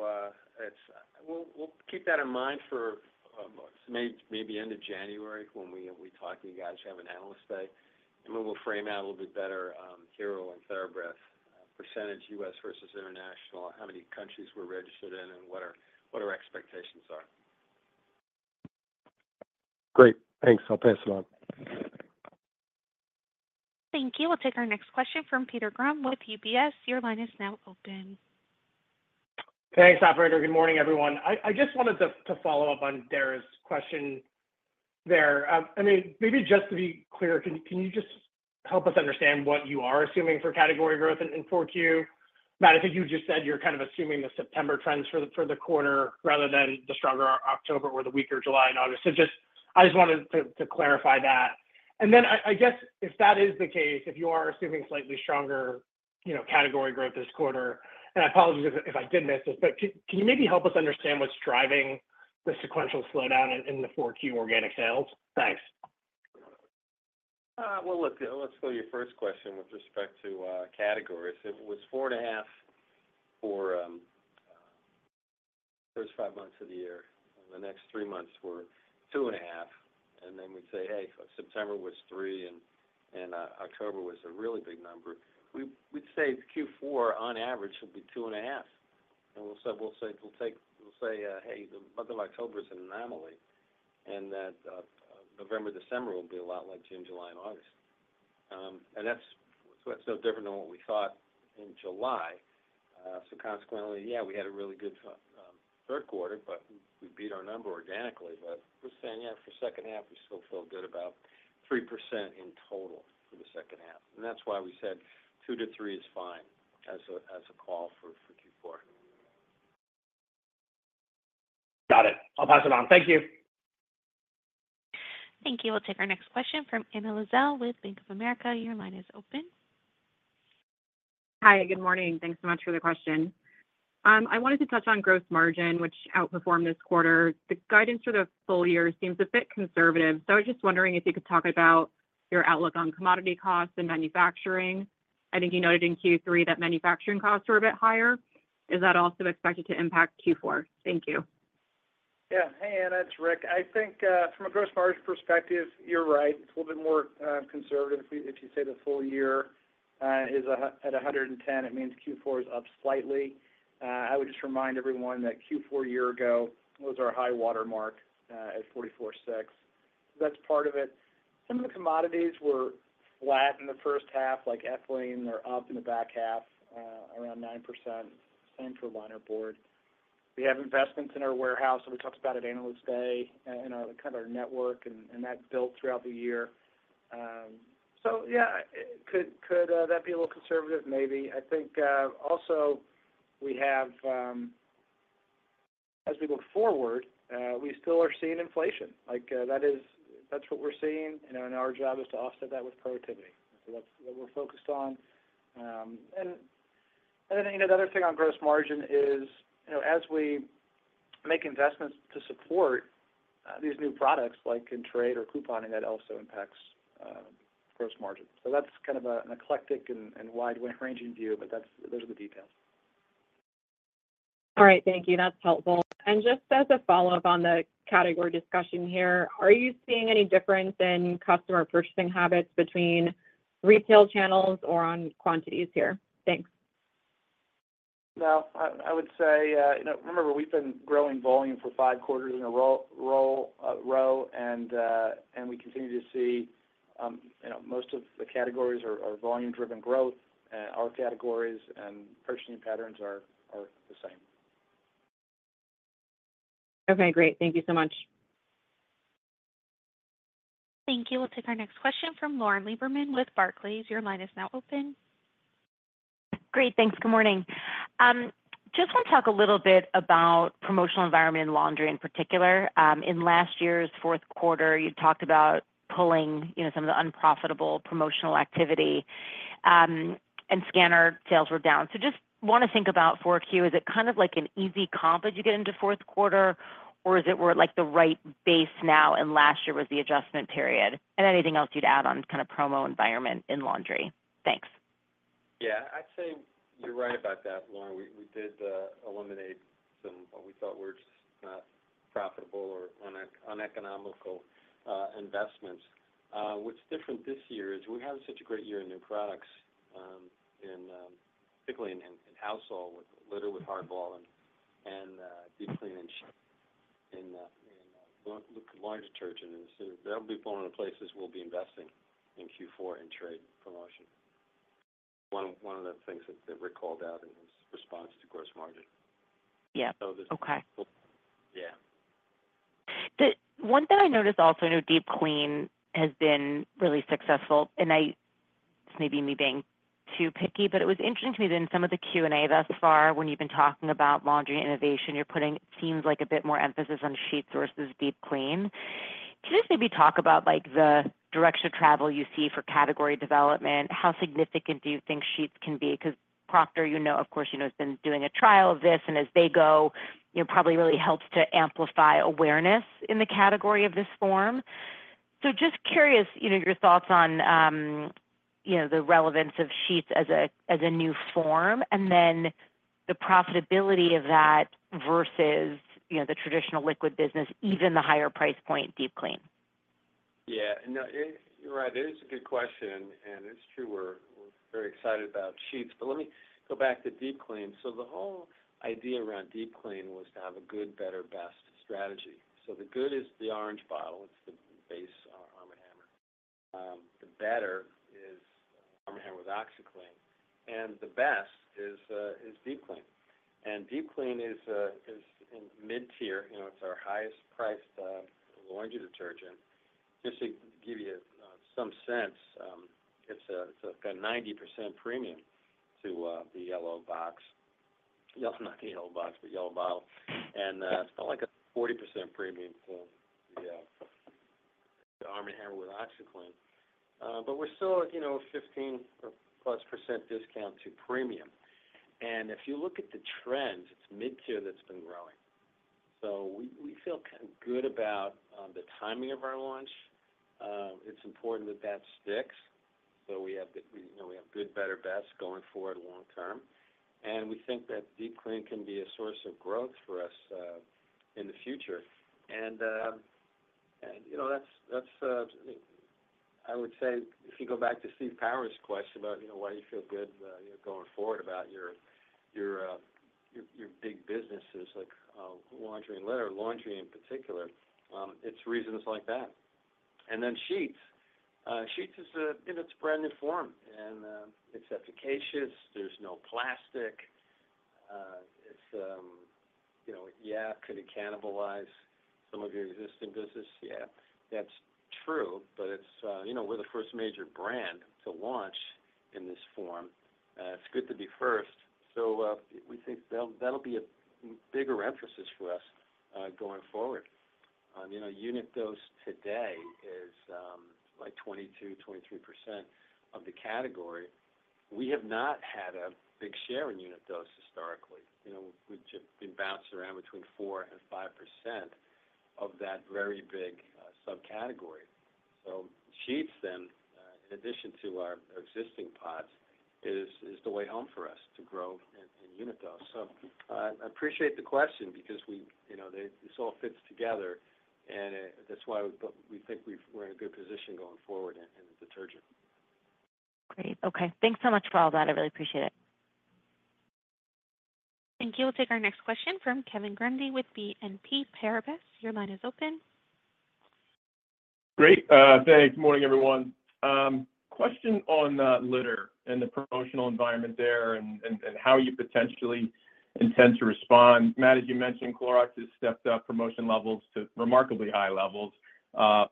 we'll keep that in mind for maybe end of January when we talk to you guys and have an Analyst Day. We'll frame out a little bit better Hero and TheraBreath percentage U.S. versus international, how many countries we're registered in, and what our expectations are. Great. Thanks. I'll pass it on. Thank you. We'll take our next question from Peter Grom with UBS. Your line is now open. Thanks, operator. Good morning, everyone. I just wanted to follow up on Dara's question there. I mean, maybe just to be clear, can you just help us understand what you are assuming for category growth in 4Q? Matt, I think you just said you're kind of assuming the September trends for the quarter rather than the stronger October or the weaker July and August. So I just wanted to clarify that. And then I guess if that is the case, if you are assuming slightly stronger category growth this quarter, and I apologize if I did miss it, but can you maybe help us understand what's driving the sequential slowdown in the 4Q organic sales? Thanks. Let's go to your first question with respect to categories. It was 4.5 for the first five months of the year. The next three months were 2.5%. And then we'd say, "Hey, September was 3%, and October was a really big number." We'd say Q4 on average will be 2.5%. And we'll say, "Hey, the month of October is an anomaly," and that November, December will be a lot like June, July, and August. And that's no different than what we thought in July. So consequently, yeah, we had a really good third quarter, but we beat our number organically. But we're saying, yeah, for the second half, we still feel good about 3% in total for the second half. And that's why we said 2%-3% is fine as a call for Q4. Got it. I'll pass it on. Thank you. Thank you. We'll take our next question from Anna Lizzul with Bank of America. Your line is open. Hi. Good morning. Thanks so much for the question. I wanted to touch on gross margin, which outperformed this quarter. The guidance for the full year seems a bit conservative. So I was just wondering if you could talk about your outlook on commodity costs and manufacturing. I think you noted in Q3 that manufacturing costs were a bit higher. Is that also expected to impact Q4? Thank you. Yeah. Hey, Anna. It's Rick. I think from a gross margin perspective, you're right. It's a little bit more conservative. If you say the full-year is at 110, it means Q4 is up slightly. I would just remind everyone that Q4 a year ago was our high watermark at 44.6%. That's part of it. Some of the commodities were flat in the first half, like ethylene. They're up in the back half, around 9%. Same for liner board. We have investments in our warehouse, and we talked about it Analyst Day in kind of our network, and that built throughout the year. So yeah, could that be a little conservative? Maybe. I think also we have, as we look forward, we still are seeing inflation. That's what we're seeing, and our job is to offset that with productivity. So that's what we're focused on. And then the other thing on gross margin is, as we make investments to support these new products like in trade or couponing, that also impacts gross margin. So that's kind of an eclectic and wide-ranging view, but those are the details. All right. Thank you. That's helpful. And just as a follow-up on the category discussion here, are you seeing any difference in customer purchasing habits between retail channels or on quantities here? Thanks. No. I would say, remember, we've been growing volume for five quarters in a row, and we continue to see most of the categories are volume-driven growth. Our categories and purchasing patterns are the same. Okay. Great. Thank you so much. Thank you. We'll take our next question from Lauren Lieberman with Barclays. Your line is now open. Great. Thanks. Good morning. Just want to talk a little bit about the promotional environment in laundry in particular. In last year's fourth quarter, you talked about pulling some of the unprofitable promotional activity, and scanner sales were down. So just want to think about 4Q. Is it kind of like an easy comp as you get into fourth quarter, or is it more like the right base now, and last year was the adjustment period? And anything else you'd add on kind of the promo environment in laundry? Thanks. Yeah. I'd say you're right about that, Lauren. We did eliminate some what we thought were just not profitable or uneconomical investments. What's different this year is we had such a great year in new products, particularly in household, litter with hardball and Deep Clean and sheets, and look at laundry detergent. And so that'll be one of the places we'll be investing in Q4 in trade promotion. One of the things that Rick called out in his response to gross margin. So yeah. One thing I noticed also, I know Deep Clean has been really successful, and this may be me being too picky, but it was interesting to me that in some of the Q&A thus far, when you've been talking about laundry innovation, you're putting, it seems like, a bit more emphasis on sheet versus Deep Clean. Can you just maybe talk about the direction of travel you see for category development? How significant do you think sheets can be? Because Procter, of course, has been doing a trial of this, and as they go, it probably really helps to amplify awareness in the category of this form. So just curious your thoughts on the relevance of sheets as a new form, and then the profitability of that versus the traditional liquid business, even the higher price point Deep Clean. Yeah. You're right. It is a good question, and it's true. We're very excited about sheets. But let me go back to deep clean. So the whole idea around Deep Clean was to have a good, better, best strategy. So the good is the orange bottle. It's the base, Arm & Hammer. The better is Arm & Hammer with OxiClean. And the best is Deep Clean. And Deep Clean is in mid-tier. It's our highest-priced laundry detergent. Just to give you some sense, it's a 90% premium to the yellow box. Well, not the yellow box, but yellow bottle. And it's kind of like a 40% premium to the Arm & Hammer with OxiClean. But we're still at 15-plus% discount to premium. And if you look at the trends, it's mid-tier that's been growing. So we feel kind of good about the timing of our launch. It's important that that sticks so we have good, better, best going forward long-term and we think that Deep Clean can be a source of growth for us in the future and that's, I would say, if you go back to Steve Powers' question about why you feel good going forward about your big businesses like laundry and litter, laundry in particular, it's reasons like that and then sheets. Sheets is a brand new form, and it's efficacious. There's no plastic. It's, yeah, could it cannibalize some of your existing business? Yeah. That's true, but we're the first major brand to launch in this form. It's good to be first so we think that'll be a bigger emphasis for us going forward. Unit dose today is like 22%-23% of the category. We have not had a big share in unit dose historically. We've just been bounced around between 4% and 5% of that very big subcategory. So sheets, then, in addition to our existing pods, is the way home for us to grow in unit dose. So I appreciate the question because this all fits together, and that's why we think we're in a good position going forward in the detergent. Great. Okay. Thanks so much for all that. I really appreciate it. Thank you. We'll take our next question from Kevin Grundy with BNP Paribas. Your line is open. Great. Thanks. Good morning, everyone. Question on litter and the promotional environment there and how you potentially intend to respond. Matt, as you mentioned, Clorox has stepped up promotion levels to remarkably high levels.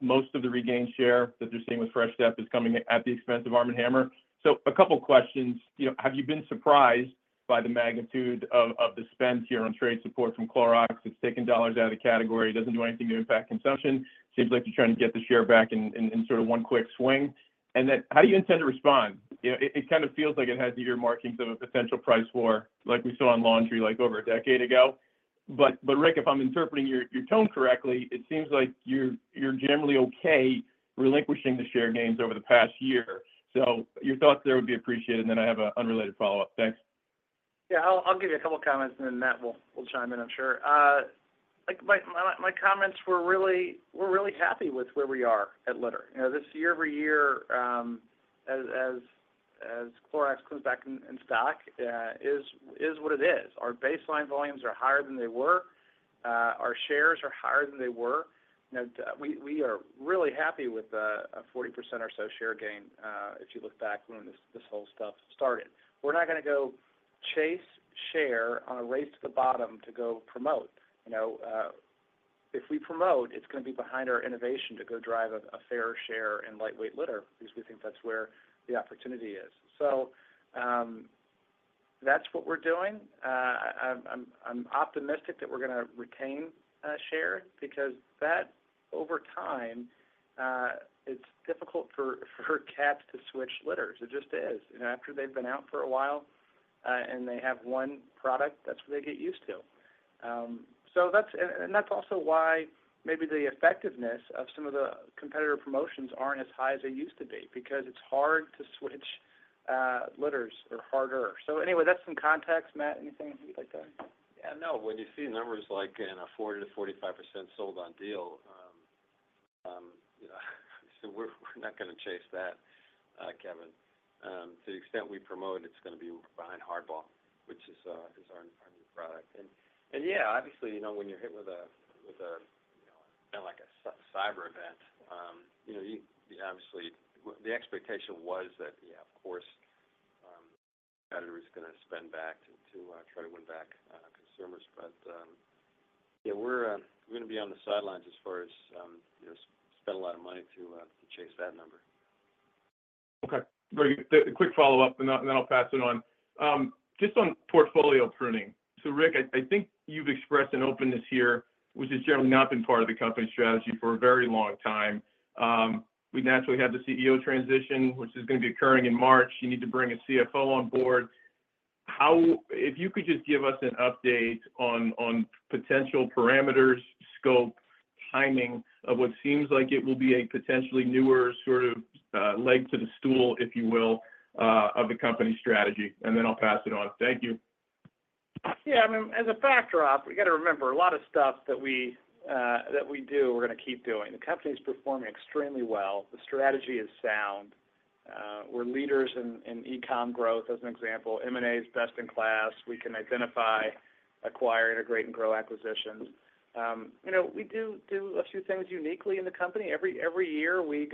Most of the regained share that you're seeing with Fresh Step is coming at the expense of Arm & Hammer. So a couple of questions. Have you been surprised by the magnitude of the spend here on trade support from Clorox? It's taken dollars out of the category. It doesn't do anything to impact consumption. Seems like you're trying to get the share back in sort of one quick swing. And then how do you intend to respond? It kind of feels like it has the earmarks of a potential price war like we saw in laundry like over a decade ago. But Rick, if I'm interpreting your tone correctly, it seems like you're generally okay relinquishing the share gains over the past year. So your thoughts there would be appreciated. And then I have an unrelated follow-up. Thanks. Yeah. I'll give you a couple of comments, and then Matt will chime in, I'm sure. My comments were really happy with where we are at litter. This year-over-year, as Clorox comes back in stock, is what it is. Our baseline volumes are higher than they were. Our shares are higher than they were. We are really happy with a 40% or so share gain if you look back when this whole stuff started. We're not going to go chase share on a race to the bottom to go promote. If we promote, it's going to be behind our innovation to go drive a fair share in lightweight litter because we think that's where the opportunity is. So that's what we're doing. I'm optimistic that we're going to retain share because that, over time, it's difficult for cats to switch litters. It just is. After they've been out for a while and they have one product, that's what they get used to. And that's also why maybe the effectiveness of some of the competitor promotions aren't as high as they used to be because it's hard to switch litters or harder. So anyway, that's some context. Matt, anything you'd like to add? Yeah. No. When you see numbers like in a 40%-45% sold-on deal, so we're not going to chase that, Kevin. To the extent we promote, it's going to be behind HardBall, which is our new product. And yeah, obviously, when you're hit with kind of like a cyber event, obviously, the expectation was that, yeah, of course, competitors are going to spend back to try to win back consumers. But yeah, we're going to be on the sidelines as far as spend a lot of money to chase that number. Okay. Very good. Quick follow-up, and then I'll pass it on. Just on portfolio pruning, so Rick, I think you've expressed an openness here, which has generally not been part of the company's strategy for a very long time. We naturally have the CEO transition, which is going to be occurring in March. You need to bring a CFO on board. If you could just give us an update on potential parameters, scope, timing of what seems like it will be a potentially newer sort of leg to the stool, if you will, of the company's strategy, and then I'll pass it on. Thank you. Yeah. I mean, as a backdrop, we got to remember a lot of stuff that we do, we're going to keep doing. The company's performing extremely well. The strategy is sound. We're leaders in e-com growth, as an example. M&A is best in class. We can identify, acquire, integrate, and grow acquisitions. We do a few things uniquely in the company. Every year, we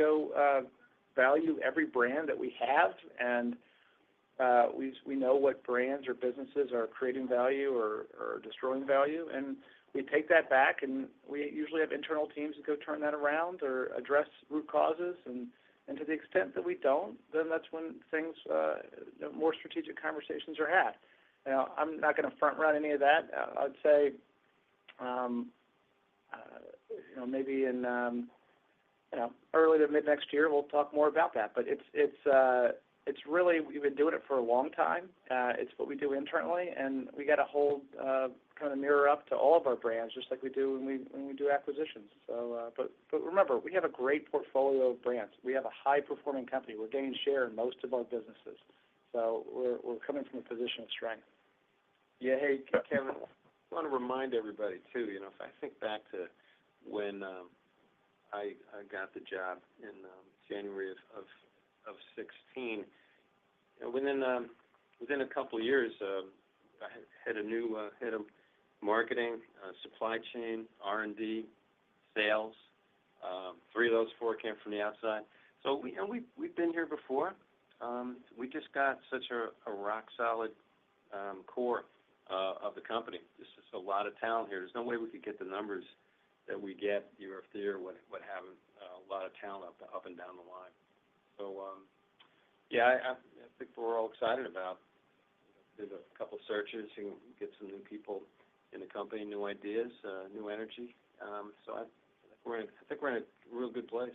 value every brand that we have, and we know what brands or businesses are creating value or destroying value, and we take that back, and we usually have internal teams that go turn that around or address root causes, and to the extent that we don't, then that's when more strategic conversations are had. Now, I'm not going to front-run any of that. I'd say maybe in early to mid-next year, we'll talk more about that. But it's really we've been doing it for a long time. It's what we do internally, and we got to hold kind of mirror up to all of our brands, just like we do when we do acquisitions. But remember, we have a great portfolio of brands. We have a high-performing company. We're gaining share in most of our businesses. So we're coming from a position of strength. Yeah. Hey, Kevin, I want to remind everybody too. I think back to when I got the job in January of 2016. Within a couple of years, I hit a new head of marketing, supply chain, R&D, sales. Three of those four came from the outside. So we've been here before. We just got such a rock-solid core of the company. There's just a lot of talent here. There's no way we could get the numbers that we get year after year, what happened. A lot of talent up and down the line. So yeah, I think we're all excited about doing a couple of searches and getting some new people in the company, new ideas, new energy. So I think we're in a real good place.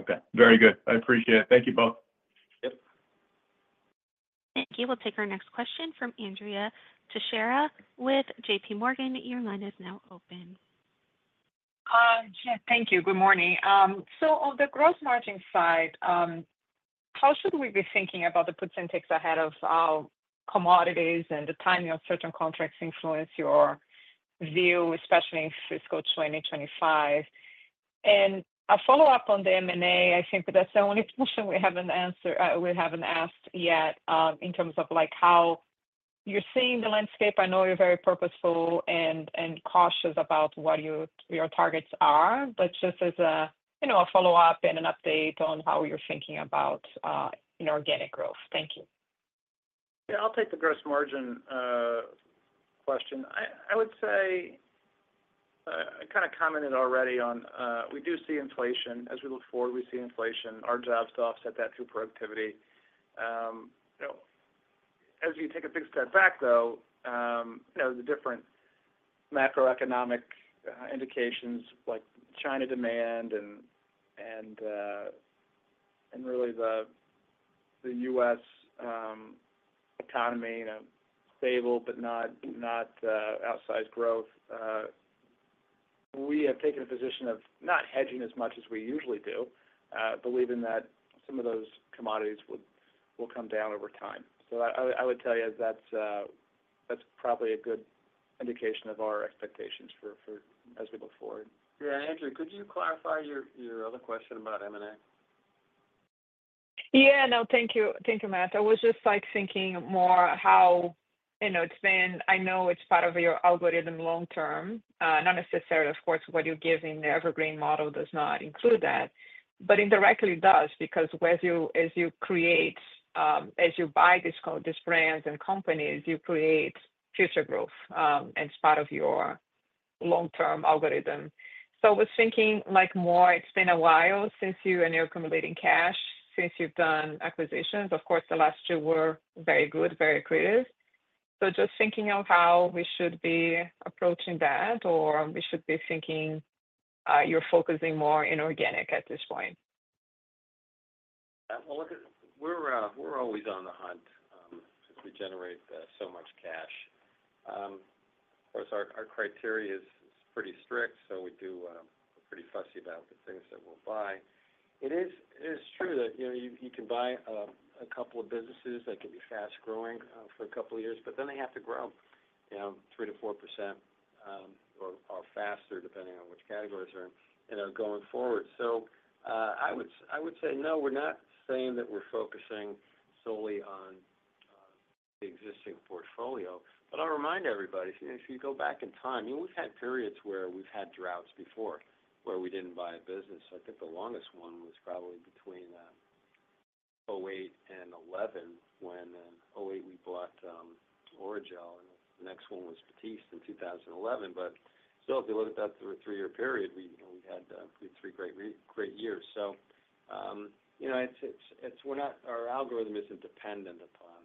Okay. Very good. I appreciate it. Thank you both. Yep. Thank you. We'll take our next question from Andrea Teixeira with JPMorgan. Your line is now open. Yeah. Thank you. Good morning. So on the gross margin side, how should we be thinking about the percentage ahead of commodities, and the timing of certain contracts influence your view, especially in fiscal 2025? And a follow-up on the M&A, I think that's the only question we haven't asked yet in terms of how you're seeing the landscape. I know you're very purposeful and cautious about what your targets are, but just as a follow-up and an update on how you're thinking about organic growth. Thank you. Yeah. I'll take the gross margin question. I would say I kind of commented already on we do see inflation. As we look forward, we see inflation. Our jobs to offset that through productivity. As you take a big step back, though, the different macroeconomic indications like China demand and really the U.S. economy, stable but not outsized growth, we have taken a position of not hedging as much as we usually do, believing that some of those commodities will come down over time. So I would tell you that's probably a good indication of our expectations as we look forward. Yeah. Andrew, could you clarify your other question about M&A? Yeah. No. Thank you, Matt. I was just thinking more how it's been. I know it's part of your algorithm long-term. Not necessarily, of course, what you're giving. The evergreen model does not include that. But indirectly, it does because as you buy these brands and companies, you create future growth. And it's part of your long-term algorithm. So I was thinking more it's been a while since you and you're accumulating cash, since you've done acquisitions. Of course, the last two were very good, very creative. So just thinking of how we should be approaching that, or we should be thinking you're focusing more in organic at this point. Look, we're always on the hunt to generate so much cash. Of course, our criteria is pretty strict, so we're pretty fussy about the things that we'll buy. It is true that you can buy a couple of businesses that can be fast-growing for a couple of years, but then they have to grow 3%-4% or faster, depending on which categories are going forward. I would say no, we're not saying that we're focusing solely on the existing portfolio. I'll remind everybody, if you go back in time, we've had periods where we've had droughts before where we didn't buy a business. I think the longest one was probably between 2008 and 2011, when in 2008, we bought Orajel. The next one was Batiste in 2011. Still, if you look at that through a three-year period, we've had three great years. Our algorithm isn't dependent upon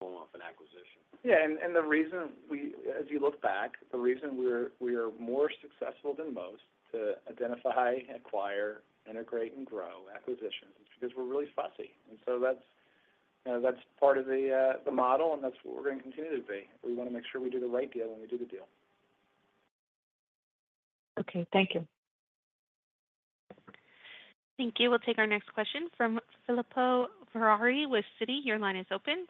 going off an acquisition. Yeah. And the reason we, as you look back, the reason we are more successful than most to identify, acquire, integrate, and grow acquisitions is because we're really fussy. And so that's part of the model, and that's what we're going to continue to be. We want to make sure we do the right deal when we do the deal. Okay. Thank you. Thank you. We'll take our next question from Filippo Falorni with Citi. Your line is open.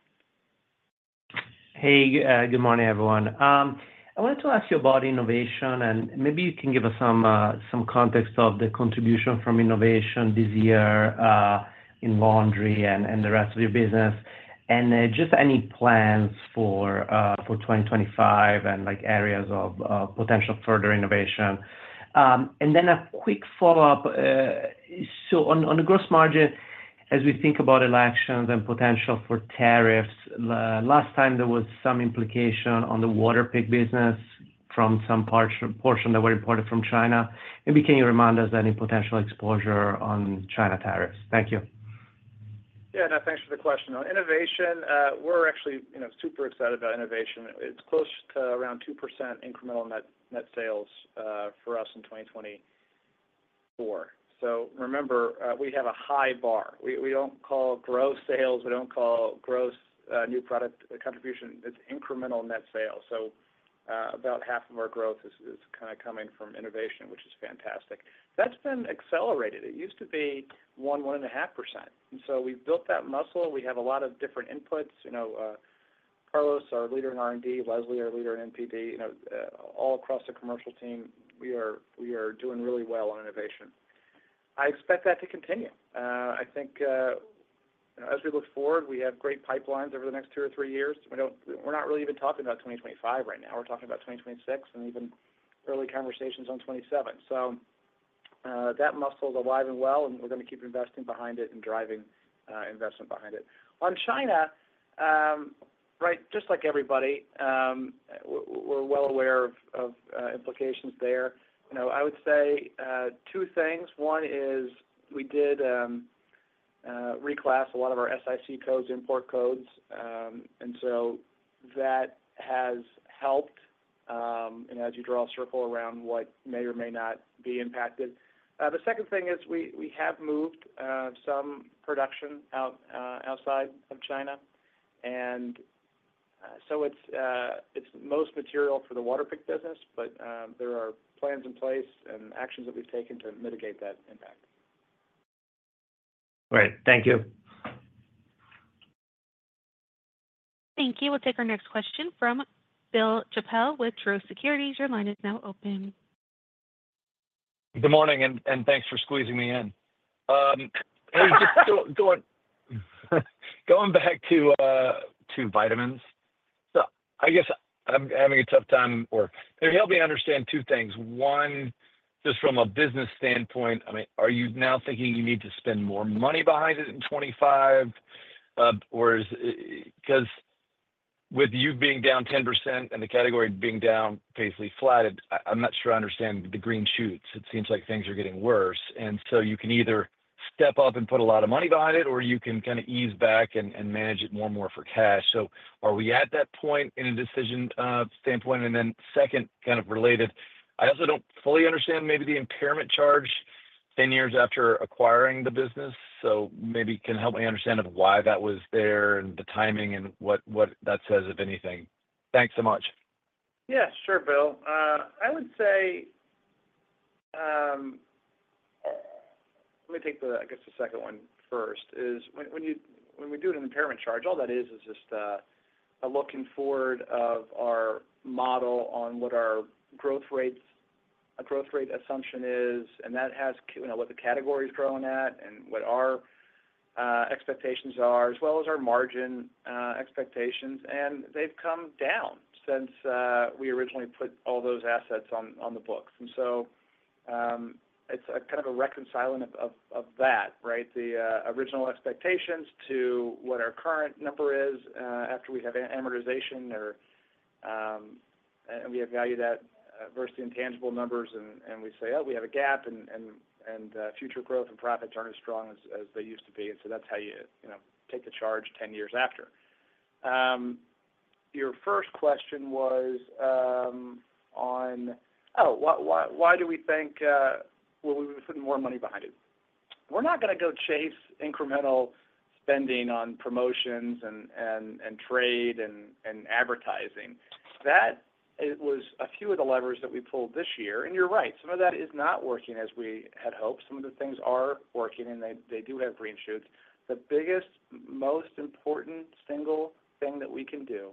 Hey. Good morning, everyone. I wanted to ask you about innovation, and maybe you can give us some context of the contribution from innovation this year in laundry and the rest of your business, and just any plans for 2025 and areas of potential further innovation. And then a quick follow-up. So on the gross margin, as we think about elections and potential for tariffs, last time, there was some implication on the Waterpik business from some portion that were imported from China. Maybe can you remind us of any potential exposure on China tariffs? Thank you. Yeah. No, thanks for the question. Innovation, we're actually super excited about innovation. It's close to around 2% incremental net sales for us in 2024. So remember, we have a high bar. We don't call gross sales. We don't call gross new product contribution. It's incremental net sales. So about half of our growth is kind of coming from innovation, which is fantastic. That's been accelerated. It used to be 1, 1.5%. And so we've built that muscle. We have a lot of different inputs. Carlos, our leader in R&D. Leslie, our leader in NPD. All across the commercial team, we are doing really well on innovation. I expect that to continue. I think as we look forward, we have great pipelines over the next two or three years. We're not really even talking about 2025 right now. We're talking about 2026 and even early conversations on 2027. So that muscle's alive and well, and we're going to keep investing behind it and driving investment behind it. On China, right, just like everybody, we're well aware of implications there. I would say two things. One is we did reclass a lot of our SIC codes, import codes. And so that has helped as you draw a circle around what may or may not be impacted. The second thing is we have moved some production outside of China. And so it's most material for the Waterpik business, but there are plans in place and actions that we've taken to mitigate that impact. Right. Thank you. Thank you. We'll take our next question from Bill Chappell with Truist Securities. Your line is now open. Good morning, and thanks for squeezing me in. Hey, just going back to vitamins. So I guess I'm having a tough time. Or maybe help me understand two things. One, just from a business standpoint, I mean, are you now thinking you need to spend more money behind it in 2025? Because with you being down 10% and the category being down, basically flat, I'm not sure I understand the green shoots. It seems like things are getting worse. And so you can either step up and put a lot of money behind it, or you can kind of ease back and manage it more and more for cash. So are we at that point in a decision standpoint? And then second, kind of related, I also don't fully understand maybe the impairment charge 10 years after acquiring the business. So, maybe can help me understand why that was there and the timing and what that says, if anything. Thanks so much. Yeah. Sure, Bill. I would say let me take the, I guess, the second one first. When we do an impairment charge, all that is is just a looking forward of our model on what our growth rate assumption is, and that has what the category's growing at and what our expectations are, as well as our margin expectations. And they've come down since we originally put all those assets on the books. And so it's kind of a reconciling of that, right? The original expectations to what our current number is after we have amortization or we have valued that versus the intangible numbers, and we say, "Oh, we have a gap, and future growth and profits aren't as strong as they used to be." And so that's how you take the charge 10 years after. Your first question was on, "Oh, why do we think we're putting more money behind it?" We're not going to go chase incremental spending on promotions and trade and advertising. That was a few of the levers that we pulled this year. And you're right. Some of that is not working as we had hoped. Some of the things are working, and they do have green shoots. The biggest, most important single thing that we can do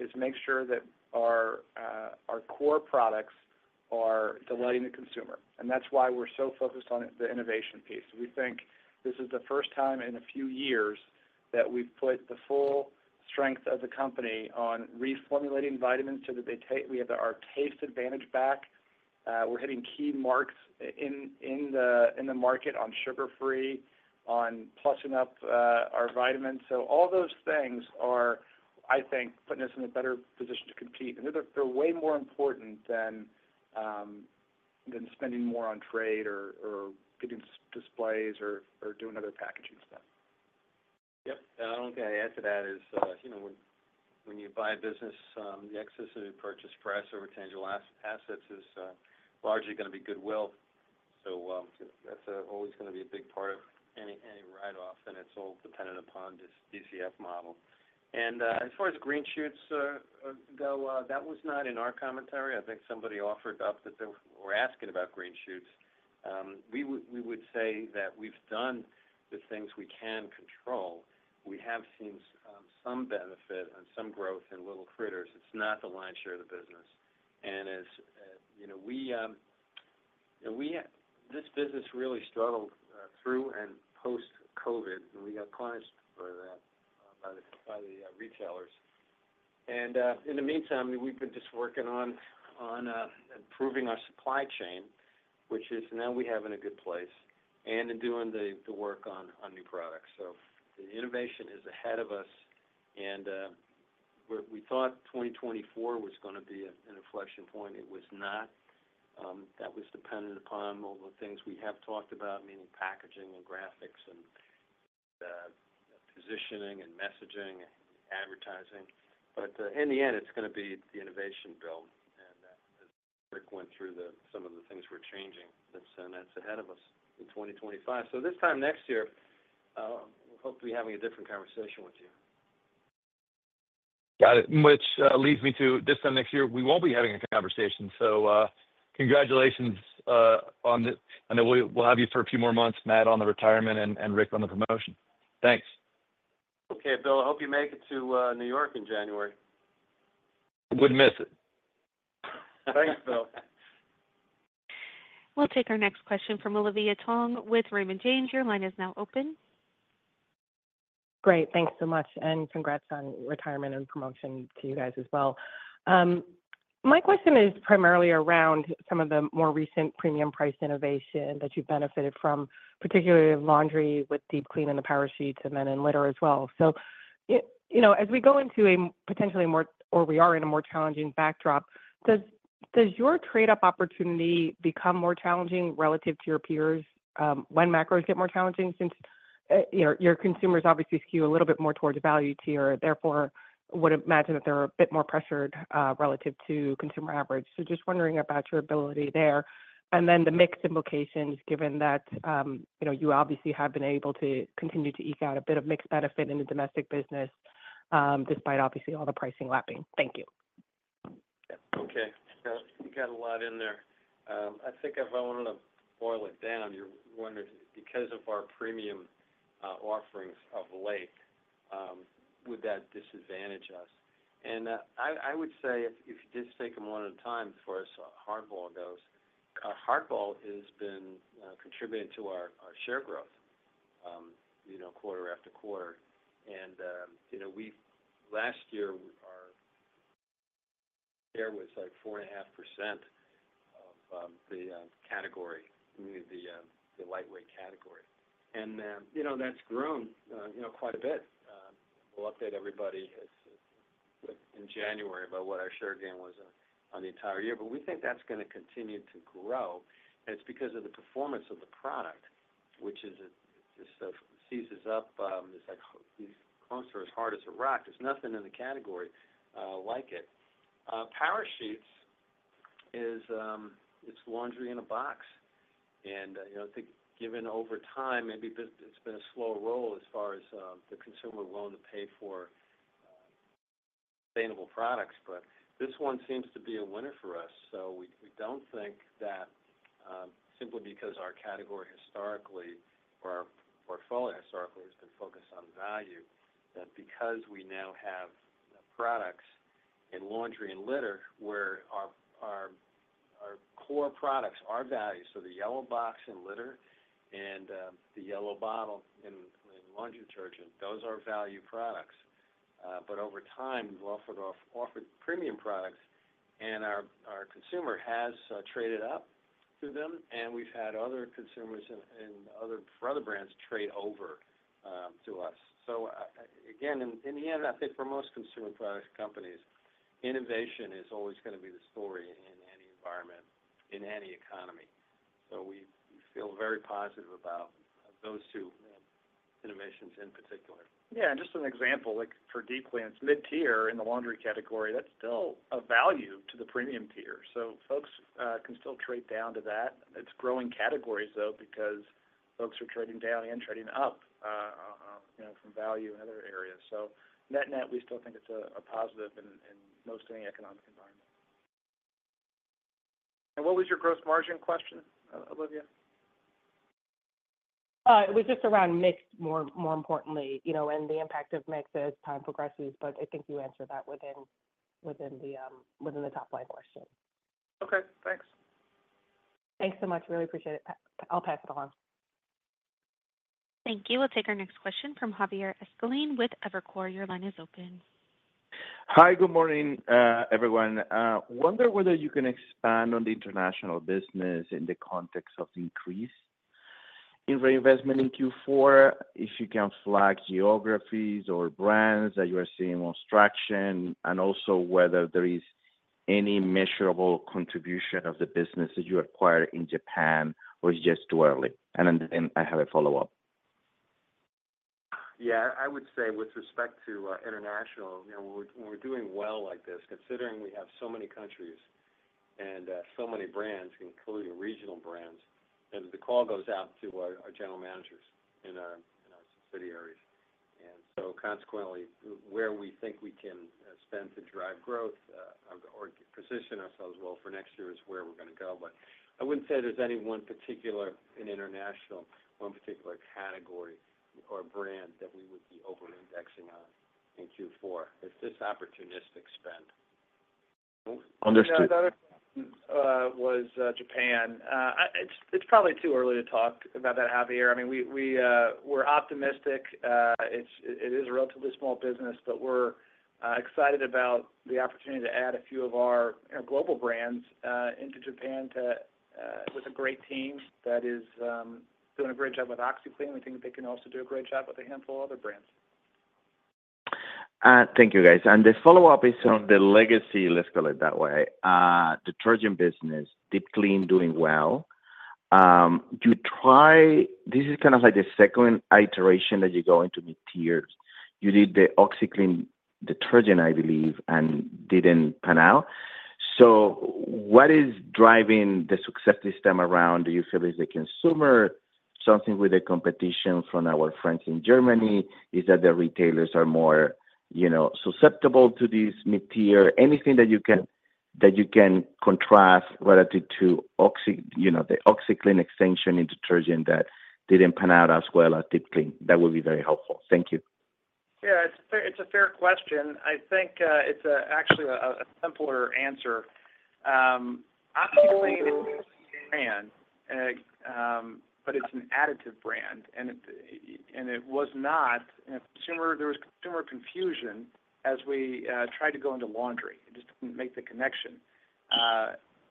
is make sure that our core products are delighting the consumer. And that's why we're so focused on the innovation piece. We think this is the first time in a few years that we've put the full strength of the company on reformulating vitamins so that we have our taste advantage back. We're hitting key marks in the market on sugar-free, on plussing up our vitamins. So all those things are, I think, putting us in a better position to compete. And they're way more important than spending more on trade or getting displays or doing other packaging stuff. Yep. The only thing I'd add to that is when you buy a business, the excess that you purchase for extra tangible assets is largely going to be goodwill. So that's always going to be a big part of any write-off, and it's all dependent upon this DCF model. And as far as green shoots, Bill, that was not in our commentary. I think somebody offered up that they were asking about green shoots. We would say that we've done the things we can control. We have seen some benefit and some growth in L'il Critters. It's not the lion's share of the business. And this business really struggled through and post-COVID, and we got punished for that by the retailers. In the meantime, we've been just working on improving our supply chain, which we now have in a good place, and in doing the work on new products. So the innovation is ahead of us. And we thought 2024 was going to be an inflection point. It was not. That was dependent upon all the things we have talked about, meaning packaging and graphics and positioning and messaging and advertising. But in the end, it's going to be the innovation, Bill. And that work went through some of the things we're changing. And that's ahead of us in 2025. So this time next year, we'll hope to be having a different conversation with you. Got it. Which leads me to this time next year, we won't be having a conversation. So congratulations on the—I know we'll have you for a few more months, Matt, on the retirement and Rick on the promotion. Thanks. Okay, Bill. I hope you make it to New York in January. We'd miss it. Thanks, Bill. We'll take our next question from Olivia Tong with Raymond James. Your line is now open. Great. Thanks so much and congrats on retirement and promotion to you guys as well. My question is primarily around some of the more recent premium price innovation that you've benefited from, particularly laundry with deep clean and the Power Sheets and then in litter as well. So as we go into a potentially more, or we are in a more challenging backdrop, does your trade-off opportunity become more challenging relative to your peers when macros get more challenging since your consumers obviously skew a little bit more towards value tier? Therefore, I would imagine that they're a bit more pressured relative to consumer average, so just wondering about your ability there, and then the mixed implications, given that you obviously have been able to continue to eke out a bit of mixed benefit in the domestic business despite obviously all the pricing lapping. Thank you. Okay. You got a lot in there. I think if I wanted to boil it down, you're wondering, because of our premium offerings of late, would that disadvantage us? I would say if you just take them one at a time before I start with HardBall, our HardBall has been contributing to our share growth quarter after quarter. Last year, our share was like 4.5% of the category, the lightweight category, and that's grown quite a bit. We'll update everybody in January about what our share gain was on the entire year, but we think that's going to continue to grow. It's because of the performance of the product, which just seizes up. It's like close to as hard as a rock. There's nothing in the category like it. Power Sheets, it's laundry in a box. And I think given over time, maybe it's been a slow roll as far as the consumer willing to pay for sustainable products. But this one seems to be a winner for us. So we don't think that simply because our category historically or our portfolio historically has been focused on value, that because we now have products in laundry and litter where our core products are value. So the yellow box in litter and the yellow bottle in laundry detergent, those are value products. But over time, we've offered premium products, and our consumer has traded up to them. And we've had other consumers and other brands trade over to us. So again, in the end, I think for most consumer product companies, innovation is always going to be the story in any environment, in any economy. So we feel very positive about those two innovations in particular. Yeah. And, just an example, for deep cleaners, mid-tier in the laundry category, that's still a value to the premium tier. So folks can still trade down to that. It's growing categories, though, because folks are trading down and trading up from value in other areas. So net-net, we still think it's a positive in most any economic environment. And what was your gross margin question, Olivia? It was just around mix, more importantly, and the impact of mix as time progresses. But I think you answered that within the top-line question. Okay. Thanks. Thanks so much. Really appreciate it. I'll pass it along. Thank you. We'll take our next question from Javier Escalante with Evercore. Your line is open. Hi. Good morning, everyone. Wonder whether you can expand on the international business in the context of increase in reinvestment in Q4, if you can flag geographies or brands that you are seeing more traction, and also whether there is any measurable contribution of the business that you acquired in Japan or it's just too early? And then I have a follow-up. Yeah. I would say with respect to international, when we're doing well like this, considering we have so many countries and so many brands, including regional brands, and the call goes out to our general managers and our subsidiaries, and so consequently, where we think we can spend to drive growth or position ourselves well for next year is where we're going to go, but I wouldn't say there's any one particular, in international, one particular category or brand that we would be over-indexing on in Q4. It's just opportunistic spend. Understood. The other question was Japan. It's probably too early to talk about that, Javier. I mean, we're optimistic. It is a relatively small business, but we're excited about the opportunity to add a few of our global brands into Japan with a great team that is doing a great job with OxiClean. We think they can also do a great job with a handful of other brands. Thank you, guys. And the follow-up is on the legacy, let's call it that way, detergent business. Deep Clean doing well. This is kind of like the second iteration that you go into mid-tier. You did the OxiClean detergent, I believe, and didn't pan out. So what is driving the success this time around? Do you feel it's the consumer, something with the competition from our friends in Germany? Are the retailers more susceptible to this mid-tier? Anything that you can contrast relative to the OxiClean extension in detergent that didn't pan out as well as Deep Clean? That would be very helpful. Thank you. Yeah. It's a fair question. I think it's actually a simpler answer. OxiClean is a brand, but it's an additive brand. And it was not. There was consumer confusion as we tried to go into laundry. It just didn't make the connection.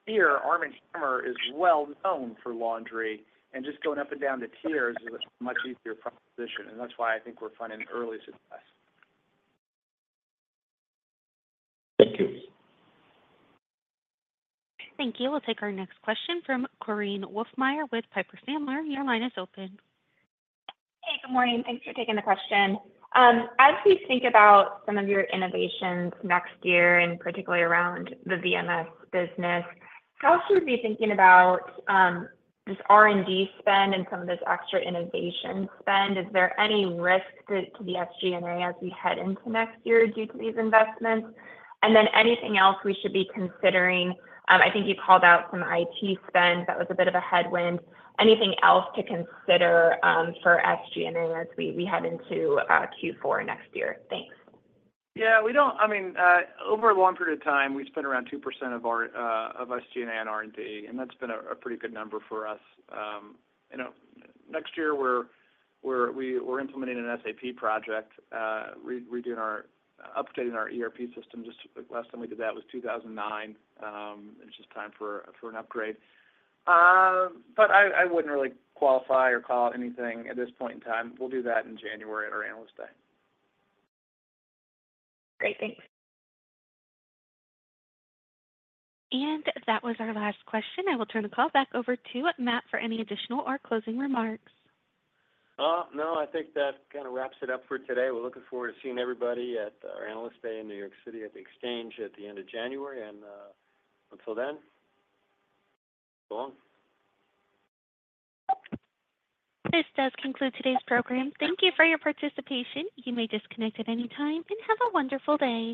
Here, Arm & Hammer is well-known for laundry, and just going up and down the tiers is a much easier proposition. And that's why I think we're finding early success. Thank you. Thank you. We'll take our next question from Korinne Wolfmeyer with Piper Sandler. Your line is open. Hey, good morning. Thanks for taking the question. As we think about some of your innovations next year, and particularly around the VMS business, how should we be thinking about this R&D spend and some of this extra innovation spend? Is there any risk to the SG&A as we head into next year due to these investments? And then anything else we should be considering? I think you called out some IT spend. That was a bit of a headwind. Anything else to consider for SG&A as we head into Q4 next year? Thanks. Yeah. I mean, over a long period of time, we spent around 2% of SG&A on R&D, and that's been a pretty good number for us. Next year, we're implementing an SAP project, updating our ERP system. Just last time we did that was 2009. It's just time for an upgrade. But I wouldn't really qualify or call out anything at this point in time. We'll do that in January at our Analyst Day. Great. Thanks. And that was our last question. I will turn the call back over to Matt for any additional or closing remarks. No. I think that kind of wraps it up for today. We're looking forward to seeing everybody at our Analyst Day in New York City at The Exchange at the end of January, and until then, go on. This does conclude today's program. Thank you for your participation. You may disconnect at any time and have a wonderful day.